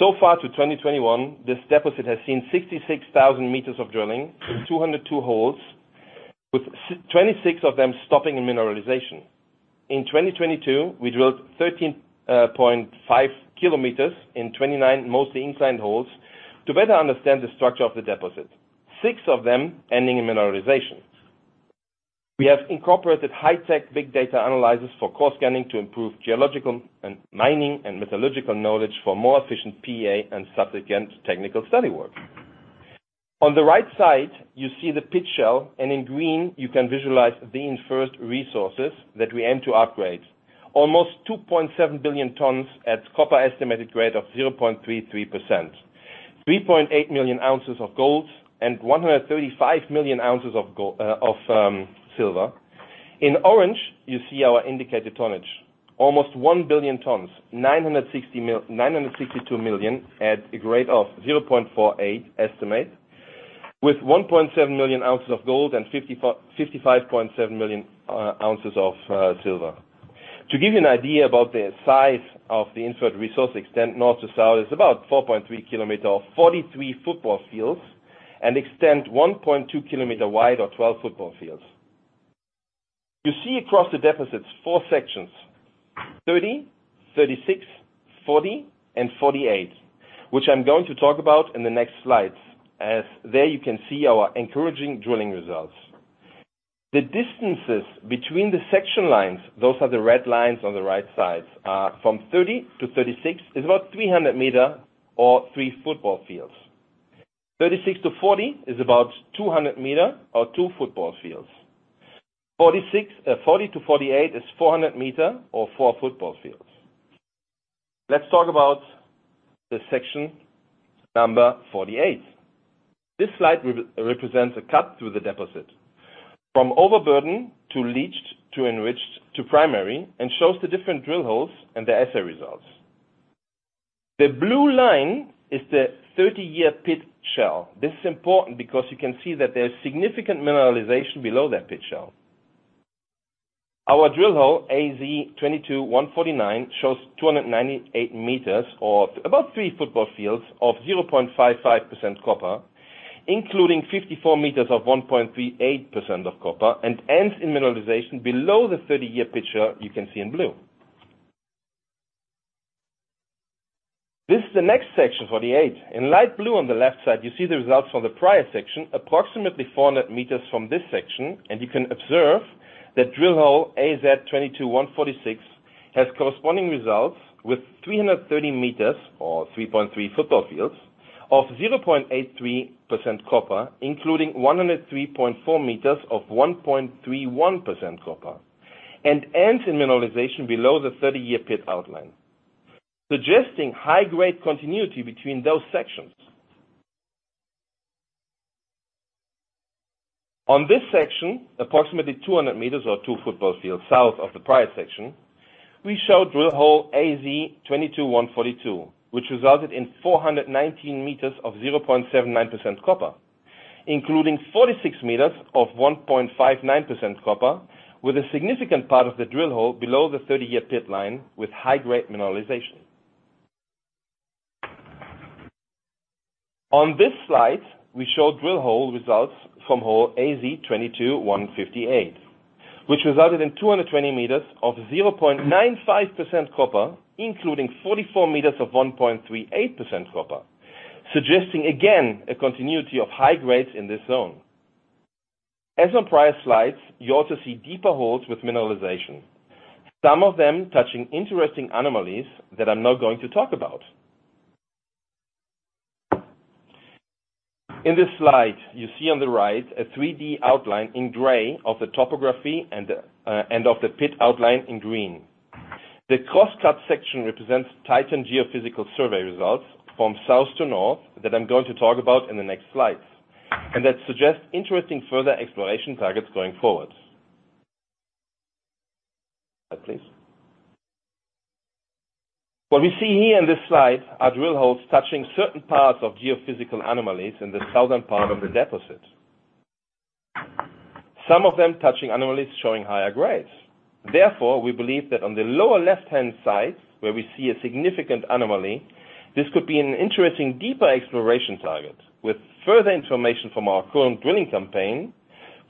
Up to 2021, this deposit has seen 66,000 m of drilling, 202 holes, with S-26 of them stopping in mineralization. In 2022, we drilled 13.5 km in 29 mostly inclined holes to better understand the structure of the deposit, six of them ending in mineralization. We have incorporated high-tech big data analyzers for core scanning to improve geological and mining and metallurgical knowledge for more efficient PEA and subsequent technical study work. On the right side, you see the pit shell, and in green, you can visualize the inferred resources that we aim to upgrade. Almost 2.7 billion tons at copper estimated grade of 0.33%. 3.8 million oz of gold and 135 million oz of silver. In orange, you see our indicated tonnage, almost 1 billion tons, 962 million at a rate of 0.48 estimate, with 1.7 million oz of gold and 55.7 million oz of silver. To give you an idea about the size of the inferred resource extent north to south, it's about 4.3 km or 43 football fields and extend 1.2 km wide or 12 football fields. You see across the deposit four sections, 30, 36, 40, and 48, which I'm going to talk about in the next slides as there you can see our encouraging drilling results. The distances between the section lines, those are the red lines on the right sides, are from 30 to 36, is about 300 m or 3 football fields. 36-40 is about 200 m or two football fields. 46, 40-48 is 400 m or four football fields. Let's talk about the section number 48. This slide represents a cut through the deposit from overburden to leached to enriched to primary and shows the different drill holes and the assay results. The blue line is the 30-year pit shell. This is important because you can see that there's significant mineralization below that pit shell. Our drill hole, AZ-22-149, shows 298 m or about three football fields of 0.55% copper, including 54 m of 1.38% of copper and ends in mineralization below the 30-year pit shell you can see in blue. This is the next section, 48. In light blue on the left side, you see the results from the prior section, approximately 400 m from this section, and you can observe that drill hole AZ-22-146 has corresponding results with 330 m or 3.3 football fields of 0.83% copper, including 103.4 m of 1.31% copper, and ends in mineralization below the 30-year pit outline, suggesting high grade continuity between those sections. On this section, approximately 200 m or two football fields south of the prior section, we show drill hole AZ-22-142, which resulted in 419 m of 0.79% copper, including 46 m of 1.59% copper with a significant part of the drill hole below the 30-year pit line with high grade mineralization. On this slide, we show drill hole results from hole AZ-22-158, which resulted in 220 m of 0.95% copper, including 44 m of 1.38% copper, suggesting again a continuity of high grades in this zone. As on prior slides, you also see deeper holes with mineralization, some of them touching interesting anomalies that I'm now going to talk about. In this slide, you see on the right a 3D outline in gray of the topography and of the pit outline in green. The cross-cut section represents Titan geophysical survey results from south to north that I'm going to talk about in the next slides, and that suggests interesting further exploration targets going forward. Next slide, please. What we see here in this slide are drill holes touching certain parts of geophysical anomalies in the southern part of the deposit. Some of them touching anomalies showing higher grades. Therefore, we believe that on the lower left-hand side, where we see a significant anomaly, this could be an interesting deeper exploration target. With further information from our current drilling campaign,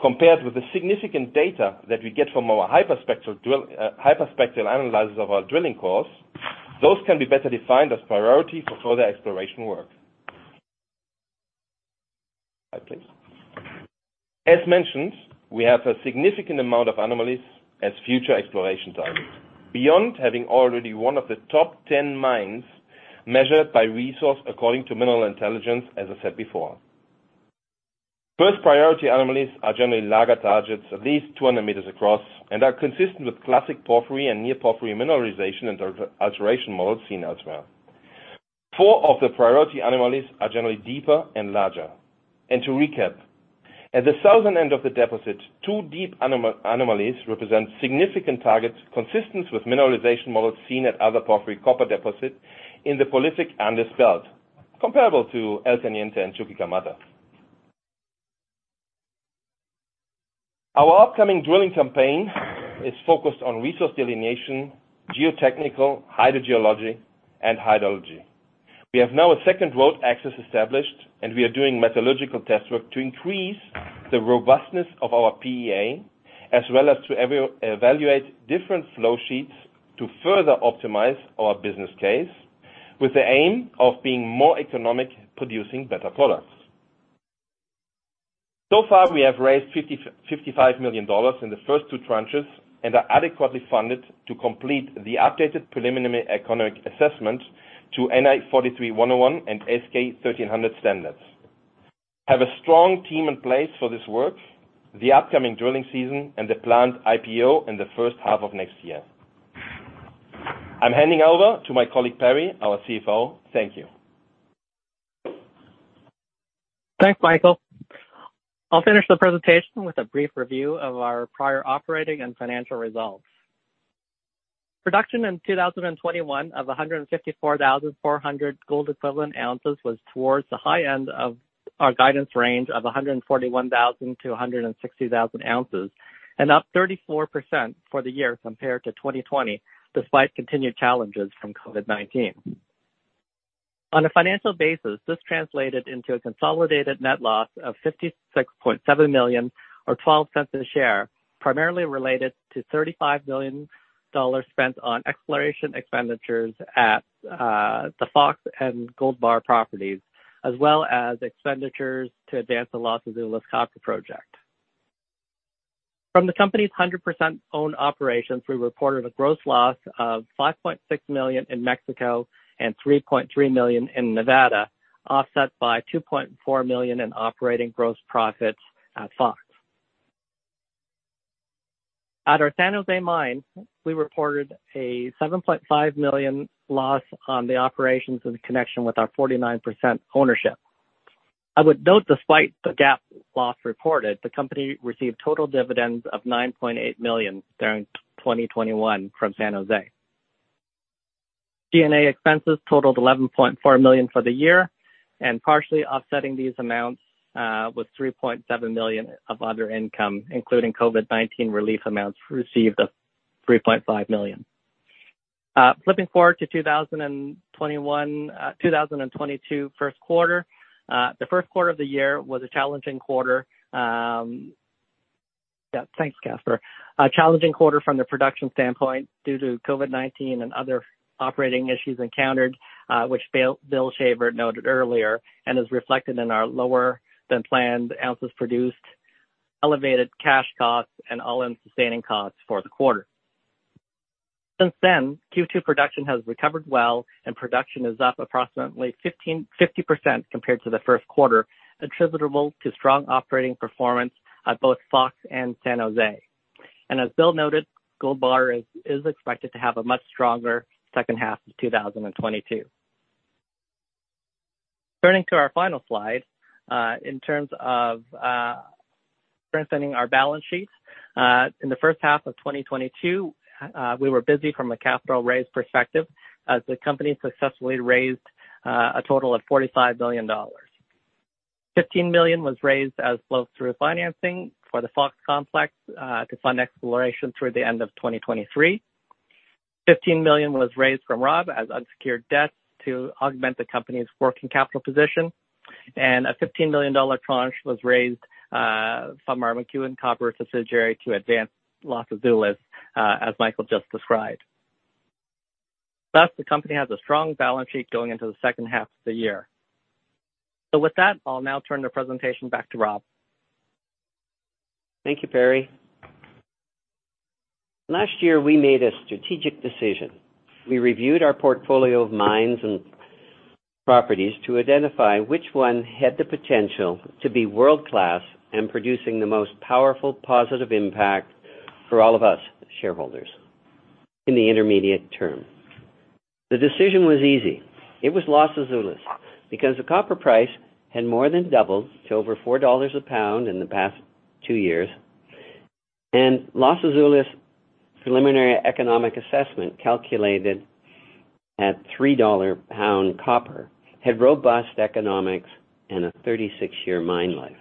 compared with the significant data that we get from our hyperspectral drill, hyperspectral analysis of our drilling core, those can be better defined as priority for further exploration work. Slide, please. As mentioned, we have a significant amount of anomalies as future exploration targets. Beyond having already one of the top 10 mines measured by resource according to Mining Intelligence, as I said before. First priority anomalies are generally larger targets at least 200 m across and are consistent with classic porphyry and near-porphyry mineralization and alteration models seen elsewhere. Four of the priority anomalies are generally deeper and larger. To recap, at the southern end of the deposit, two deep anomalies represent significant targets consistent with mineralization models seen at other porphyry copper deposit in the prolific Andean, comparable to El Teniente and Chuquicamata. Our upcoming drilling campaign is focused on resource delineation, geotechnical, hydrogeology, and hydrology. We have now a second road access established, and we are doing metallurgical test work to increase the robustness of our PEA, as well as to evaluate different flow sheets to further optimize our business case with the aim of being more economic, producing better products. So far, we have raised $55 million in the first two tranches and are adequately funded to complete the updated preliminary economic assessment to NI 43-101 and S-K 1300 standards. Have a strong team in place for this work, the upcoming drilling season, and the planned IPO in the first half of next year. I'm handing over to my colleague, Perry, our CFO. Thank you. Thanks, Michael. I'll finish the presentation with a brief review of our prior operating and financial results. Production in 2021 of 154,400 gold equivalent oz was towards the high end of our guidance range of 141,000 oz-160,000 oz, and up 34% for the year compared to 2020, despite continued challenges from COVID-19. On a financial basis, this translated into a consolidated net loss of $56.7 million or $0.12 a share, primarily related to $35 million spent on exploration expenditures at the Fox and Gold Bar properties, as well as expenditures to advance the Los Azules copper project. From the company's 100% owned operations, we reported a gross loss of $5.6 million in Mexico and $3.3 million in Nevada, offset by $2.4 million in operating gross profits at Fox. At our San José mine, we reported a $7.5 million loss on the operations in connection with our 49% ownership. I would note, despite the GAAP loss reported, the company received total dividends of $9.8 million during 2021 from San José. D&A expenses totaled $11.4 million for the year, and partially offsetting these amounts, was $3.7 million of other income, including COVID-19 relief amounts received of $3.5 million. Flipping forward to 2022 first quarter. The first quarter of the year was a challenging quarter. Yeah. Thanks, Casper. A challenging quarter from the production standpoint due to COVID-19 and other operating issues encountered, which Bill Shaver noted earlier and is reflected in our lower-than-planned oz produced, elevated cash costs and all-in sustaining costs for the quarter. Since then, Q2 production has recovered well, and production is up approximately 50% compared to the first quarter, attributable to strong operating performance at both Fox and San José. As Bill noted, Gold Bar is expected to have a much stronger second half of 2022. Turning to our final slide, in terms of presenting our balance sheets. In the first half of 2022, we were busy from a capital raise perspective as the company successfully raised a total of $45 million. $15 million was raised as flow-through financing for the Fox Complex to fund exploration through the end of 2023. $15 million was raised from Rob as unsecured debt to augment the company's working capital position, and a $15 million tranche was raised from our McEwen Copper subsidiary to advance Los Azules as Michael just described. Thus, the company has a strong balance sheet going into the second half of the year. With that, I'll now turn the presentation back to Rob. Thank you, Perry. Last year, we made a strategic decision. We reviewed our portfolio of mines and properties to identify which one had the potential to be world-class and producing the most powerful positive impact for all of us shareholders in the intermediate term. The decision was easy. It was Los Azules, because the copper price had more than doubled to over $4 a pound in the past two years, and Los Azules preliminary economic assessment, calculated at $3 a pound copper, had robust economics and a 36-year mine life.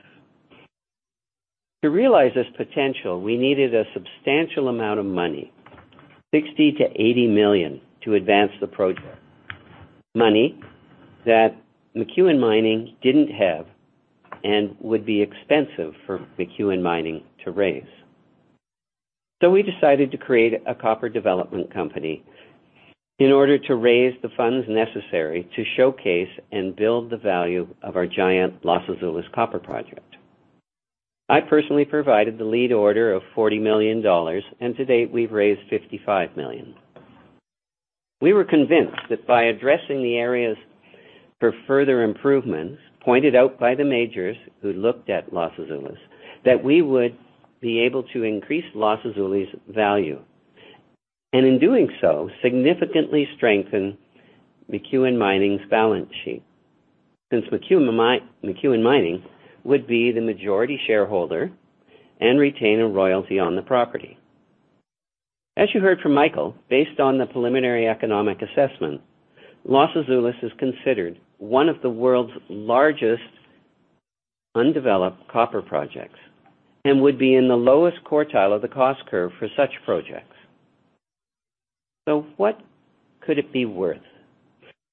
To realize this potential, we needed a substantial amount of money, $60 million-$80 million, to advance the project, money that McEwen Mining didn't have and would be expensive for McEwen Mining to raise. We decided to create a copper development company in order to raise the funds necessary to showcase and build the value of our giant Los Azules copper project. I personally provided the lead order of $40 million, and to date, we've raised $55 million. We were convinced that by addressing the areas for further improvements pointed out by the majors who looked at Los Azules, that we would be able to increase Los Azules' value. In doing so, significantly strengthen McEwen Mining's balance sheet since McEwen Mining would be the majority shareholder and retain a royalty on the property. As you heard from Michael, based on the preliminary economic assessment, Los Azules is considered one of the world's largest undeveloped copper projects and would be in the lowest quartile of the cost curve for such projects. What could it be worth?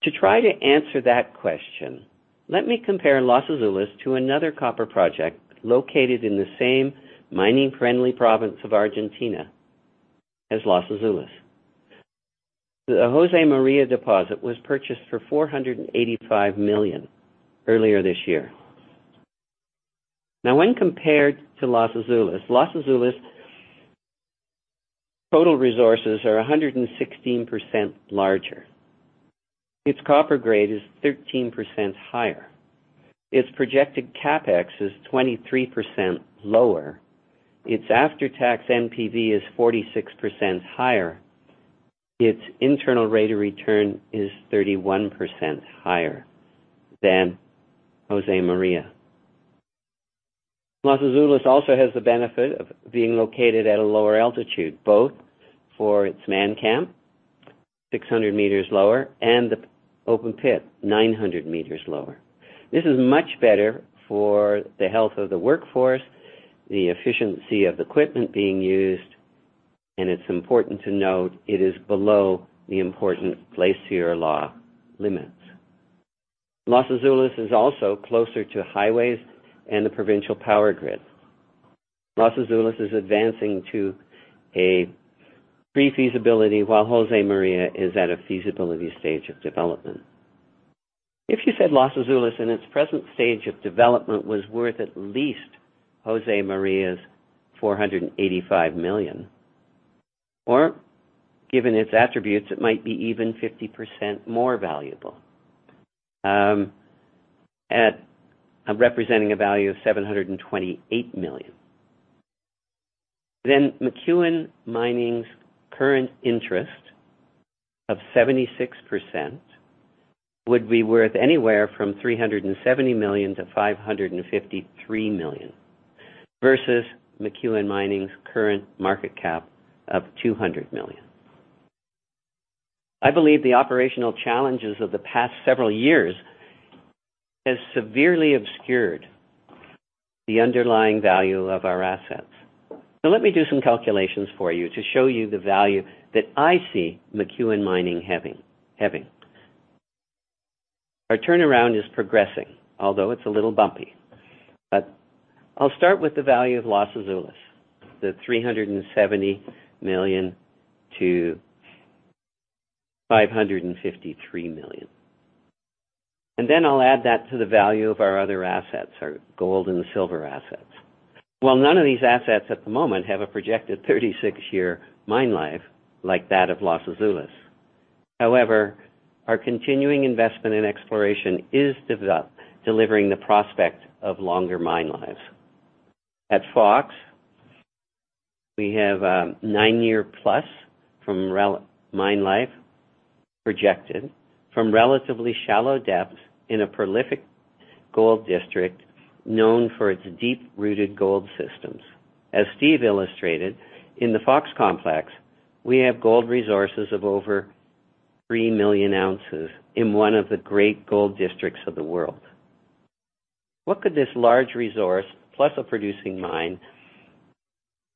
To try to answer that question, let me compare Los Azules to another copper project located in the same mining-friendly province of Argentina as Los Azules. The Josemaría deposit was purchased for $485 million earlier this year. Now, when compared to Los Azules, Los Azules total resources are 116% larger. Its copper grade is 13% higher. Its projected CapEx is 23% lower. Its after-tax NPV is 46% higher. Its internal rate of return is 31% higher than Josemaría. Los Azules also has the benefit of being located at a lower altitude, both for its man camp, 600 m lower, and the open pit, 900 m lower. This is much better for the health of the workforce, the efficiency of equipment being used, and it's important to note it is below the important Glacier Law limits. Los Azules is also closer to highways and the provincial power grid. Los Azules is advancing to a pre-feasibility, while Josemaría is at a feasibility stage of development. If you said Los Azules, in its present stage of development, was worth at least Josemaria's $485 million, or given its attributes, it might be even 50% more valuable, representing a value of $728 million. McEwen Mining's current interest of 76% would be worth anywhere from $370 million-$553 million, versus McEwen Mining's current market cap of $200 million. I believe the operational challenges of the past several years has severely obscured the underlying value of our assets. Let me do some calculations for you to show you the value that I see McEwen Mining having. Our turnaround is progressing, although it's a little bumpy. I'll start with the value of Los Azules, $370 million-$553 million. I'll add that to the value of our other assets, our gold and silver assets. While none of these assets at the moment have a projected 36-year mine life like that of Los Azules. However, our continuing investment in exploration is delivering the prospect of longer mine lives. At Fox, we have a 9-year-plus mine life projected from relatively shallow depths in a prolific gold district known for its deep-rooted gold systems. As Steve illustrated, in the Fox Complex, we have gold resources of over 3 million oz in one of the great gold districts of the world. What could this large resource, plus a producing mine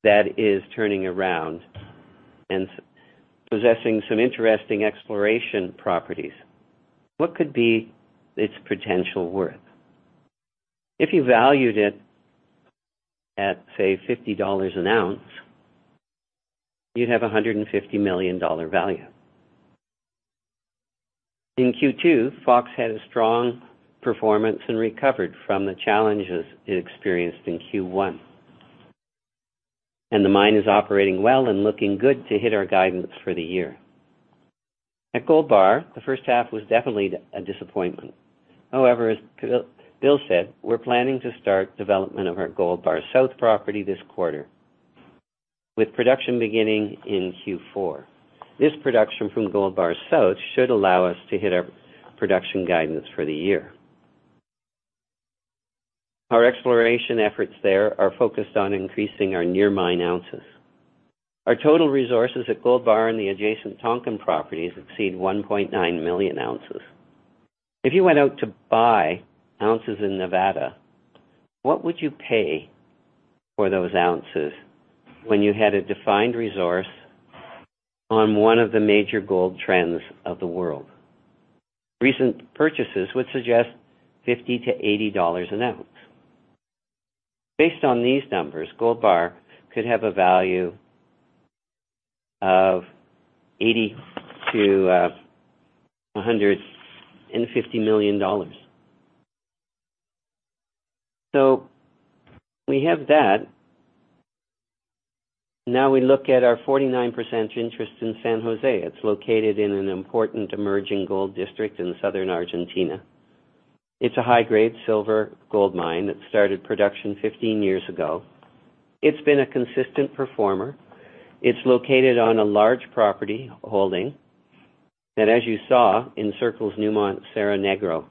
that is turning around and possessing some interesting exploration properties, what could be its potential worth? If you valued it at, say, $50 an oz, you'd have a $150 million value. In Q2, Fox had a strong performance and recovered from the challenges it experienced in Q1. The mine is operating well and looking good to hit our guidance for the year. At Gold Bar, the first half was definitely a disappointment. However, as Bill said, we're planning to start development of our Gold Bar South property this quarter, with production beginning in Q4. This production from Gold Bar South should allow us to hit our production guidance for the year. Our exploration efforts there are focused on increasing our near mine oz. Our total resources at Gold Bar and the adjacent Tonkin properties exceed 1.9 million oz. If you went out to buy oz in Nevada, what would you pay for those oz when you had a defined resource on one of the major gold trends of the world? Recent purchases would suggest $50-$80 an oz. Based on these numbers, Gold Bar could have a value of $80 million-$150 million. We have that. Now we look at our 49% interest in San José. It's located in an important emerging gold district in Southern Argentina. It's a high-grade silver gold mine that started production 15 years ago. It's been a consistent performer. It's located on a large property holding that, as you saw, encircles Newmont Cerro Negro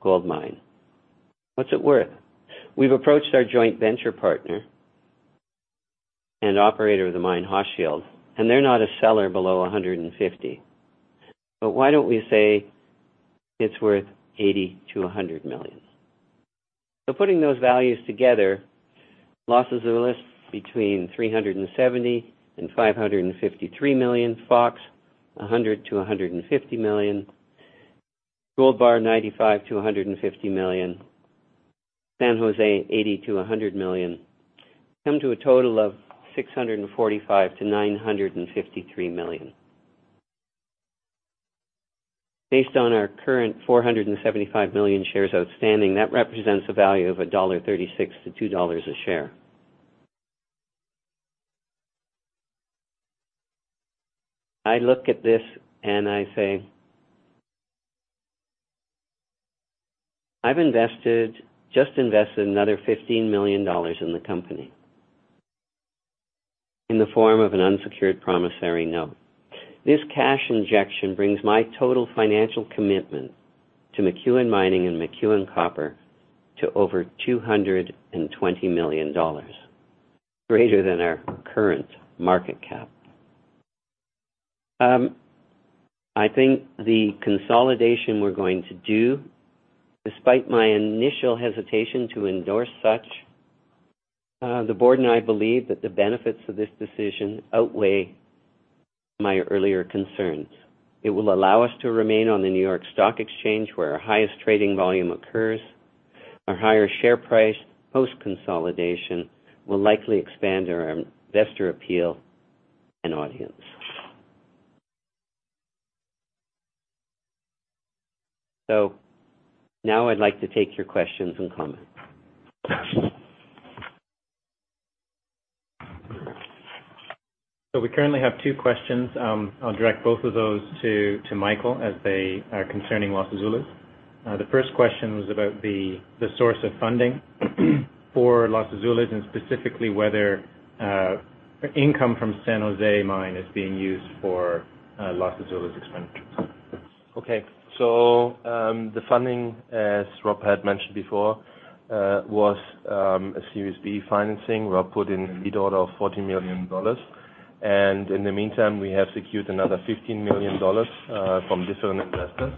gold mine. What's it worth? We've approached our joint venture partner and operator of the mine, Hochschild, and they're not a seller below $150. Why don't we say it's worth $80 million-$100 million? Putting those values together, losses, let's list between $370 million-$553 million. Fox, $100 million-$150 million. Gold Bar, $95 million-$100 million. San José, $80 million-$100 million. Come to a total of $645 million-$953 million. Based on our current 475 million shares outstanding, that represents a value of $1.36-$2 a share. I look at this and I say. I've invested, just invested another $15 million in the company in the form of an unsecured promissory note. This cash injection brings my total financial commitment to McEwen Mining and McEwen Copper to over $220 million, greater than our current market cap. I think the consolidation we're going to do, despite my initial hesitation to endorse such, the board and I believe that the benefits of this decision outweigh my earlier concerns. It will allow us to remain on the New York Stock Exchange, where our highest trading volume occurs. Our higher share price, post consolidation, will likely expand our investor appeal and audience. Now I'd like to take your questions and comments. We currently have two questions. I'll direct both of those to Michael as they are concerning Los Azules. The first question was about the source of funding for Los Azules, and specifically whether income from San José Mine is being used for Los Azules expenditures. Okay. The funding, as Rob McEwen had mentioned before, was a Series B financing. Rob McEwen put in the lead order of $40 million. In the meantime, we have secured another $15 million from different investors.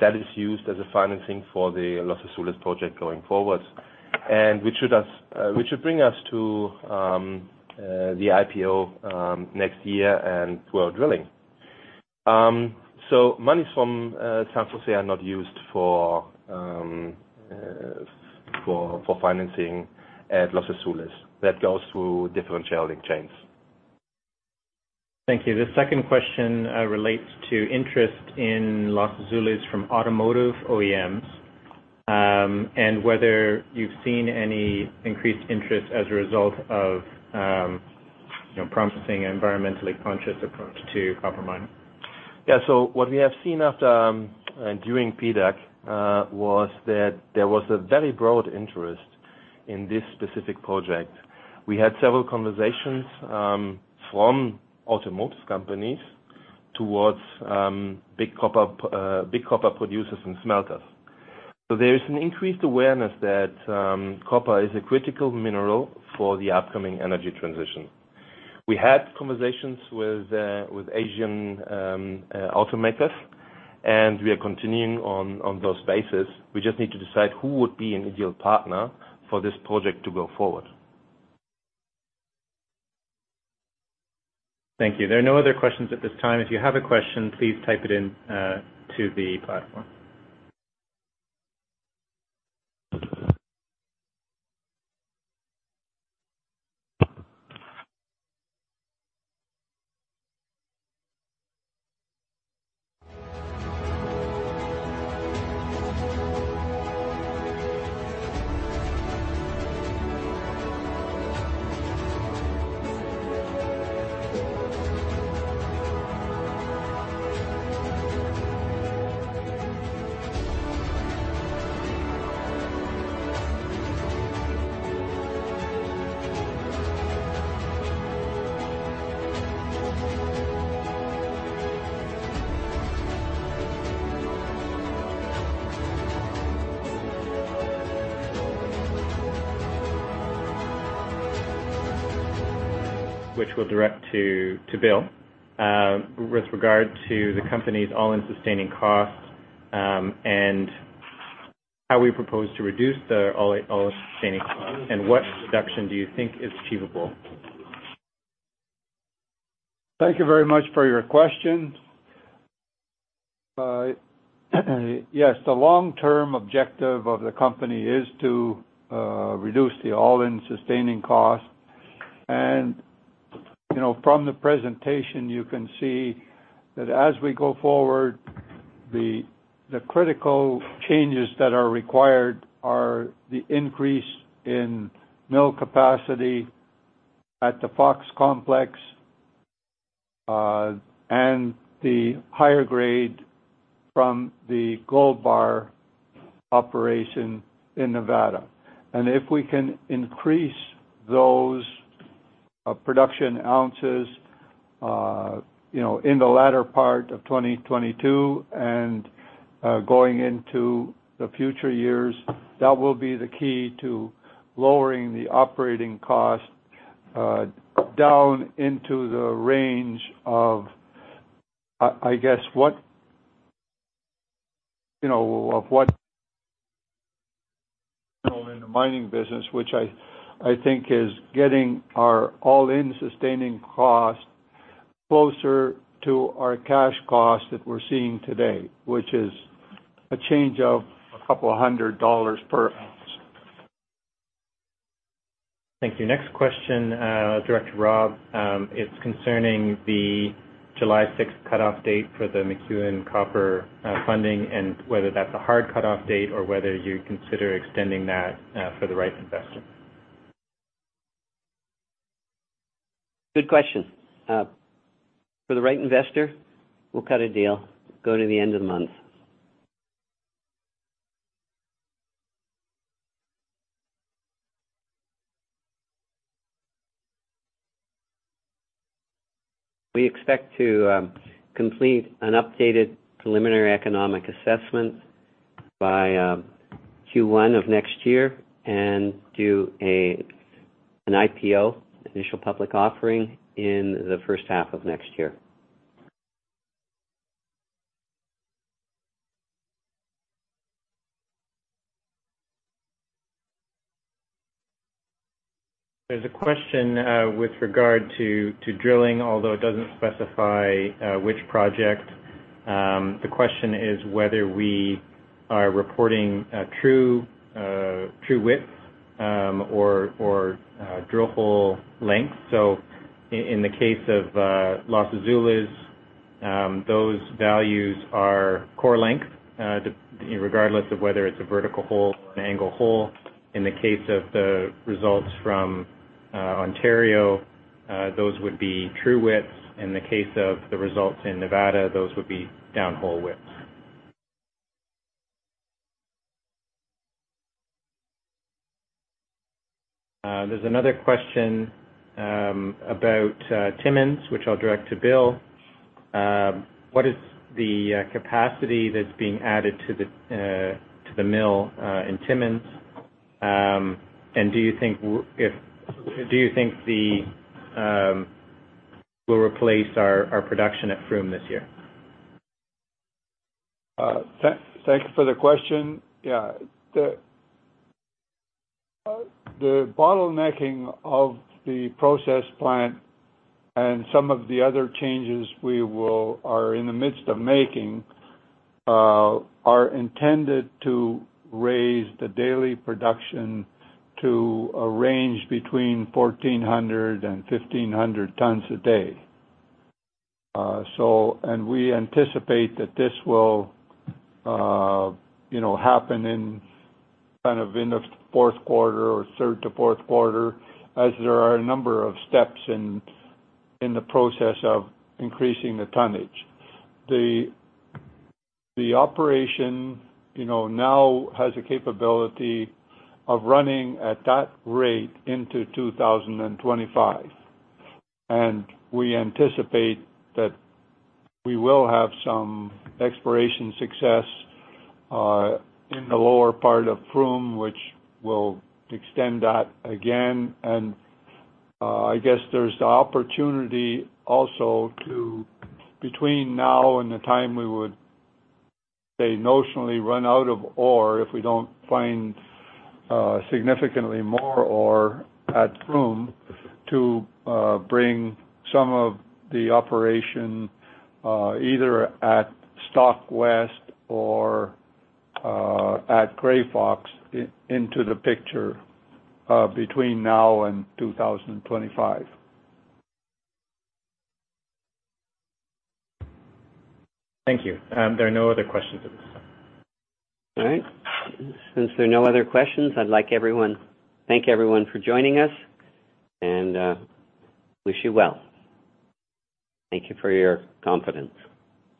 That is used as financing for the Los Azules project going forward. Which should bring us to the IPO next year and to our drilling. Monies from San José are not used for financing at Los Azules. That goes through different channels. Thank you. The second question relates to interest in Los Azules from automotive OEMs, and whether you've seen any increased interest as a result of, you know, promising environmentally conscious approach to copper mining. Yeah. What we have seen after and during PDAC was that there was a very broad interest in this specific project. We had several conversations from automotive companies towards big copper producers and smelters. There is an increased awareness that copper is a critical mineral for the upcoming energy transition. We had conversations with Asian automakers, and we are continuing on those bases. We just need to decide who would be an ideal partner for this project to go forward. Thank you. There are no other questions at this time. If you have a question, please type it in to the platform, which we'll direct to Bill Shaver with regard to the company's all-in sustaining costs and how we propose to reduce the all-in sustaining costs, and what reduction do you think is achievable? Thank you very much for your question. Yes, the long-term objective of the company is to reduce the all-in sustaining cost. You know, from the presentation, you can see that as we go forward, the critical changes that are required are the increase in mill capacity at the Fox Complex, and the higher grade from the Gold Bar operation in Nevada. If we can increase those production oz, you know, in the latter part of 2022 and going into the future years, that will be the key to lowering the operating cost down into the range of, I guess what in the mining business, which I think is getting our all-in sustaining cost closer to our cash cost that we're seeing today, which is a change of a couple of hundred dollars per oz. Thank you. Next question, Director Rob, it's concerning the July 6th cutoff date for the McEwen Copper funding and whether that's a hard cutoff date or whether you consider extending that for the right investor? Good question. For the right investor, we'll cut a deal, go to the end of the month. We expect to complete an updated preliminary economic assessment by Q1 of next year and do an IPO, initial public offering, in the first half of next year. There's a question with regard to drilling, although it doesn't specify which project. The question is whether we are reporting a true width or drill hole length. In the case of Los Azules, those values are core length, irregardless of whether it's a vertical hole or an angle hole. In the case of the results from Ontario, those would be true widths. In the case of the results in Nevada, those would be down hole widths. There's another question about Timmins, which I'll direct to Bill. What is the capacity that's being added to the mill in Timmins? Do you think the will replace our production at Froome this year? Thanks for the question. Yeah. The bottlenecking of the process plant and some of the other changes we are in the midst of making are intended to raise the daily production to a range between 1,400 and 1,500 tons a day. We anticipate that this will, you know, happen in kind of the fourth quarter or third to fourth quarter, as there are a number of steps in the process of increasing the tonnage. The operation, you know, now has the capability of running at that rate into 2025. We anticipate that we will have some exploration success in the lower part of Froome, which will extend that again. I guess there's the opportunity also to, between now and the time we would, say, notionally run out of ore, if we don't find significantly more ore at Froome, to bring some of the operation either at Stock West or at Grey Fox into the picture, between now and 2025. Thank you. There are no other questions at this time. All right. Since there are no other questions, I'd like to thank everyone for joining us, and wish you well. Thank you for your confidence.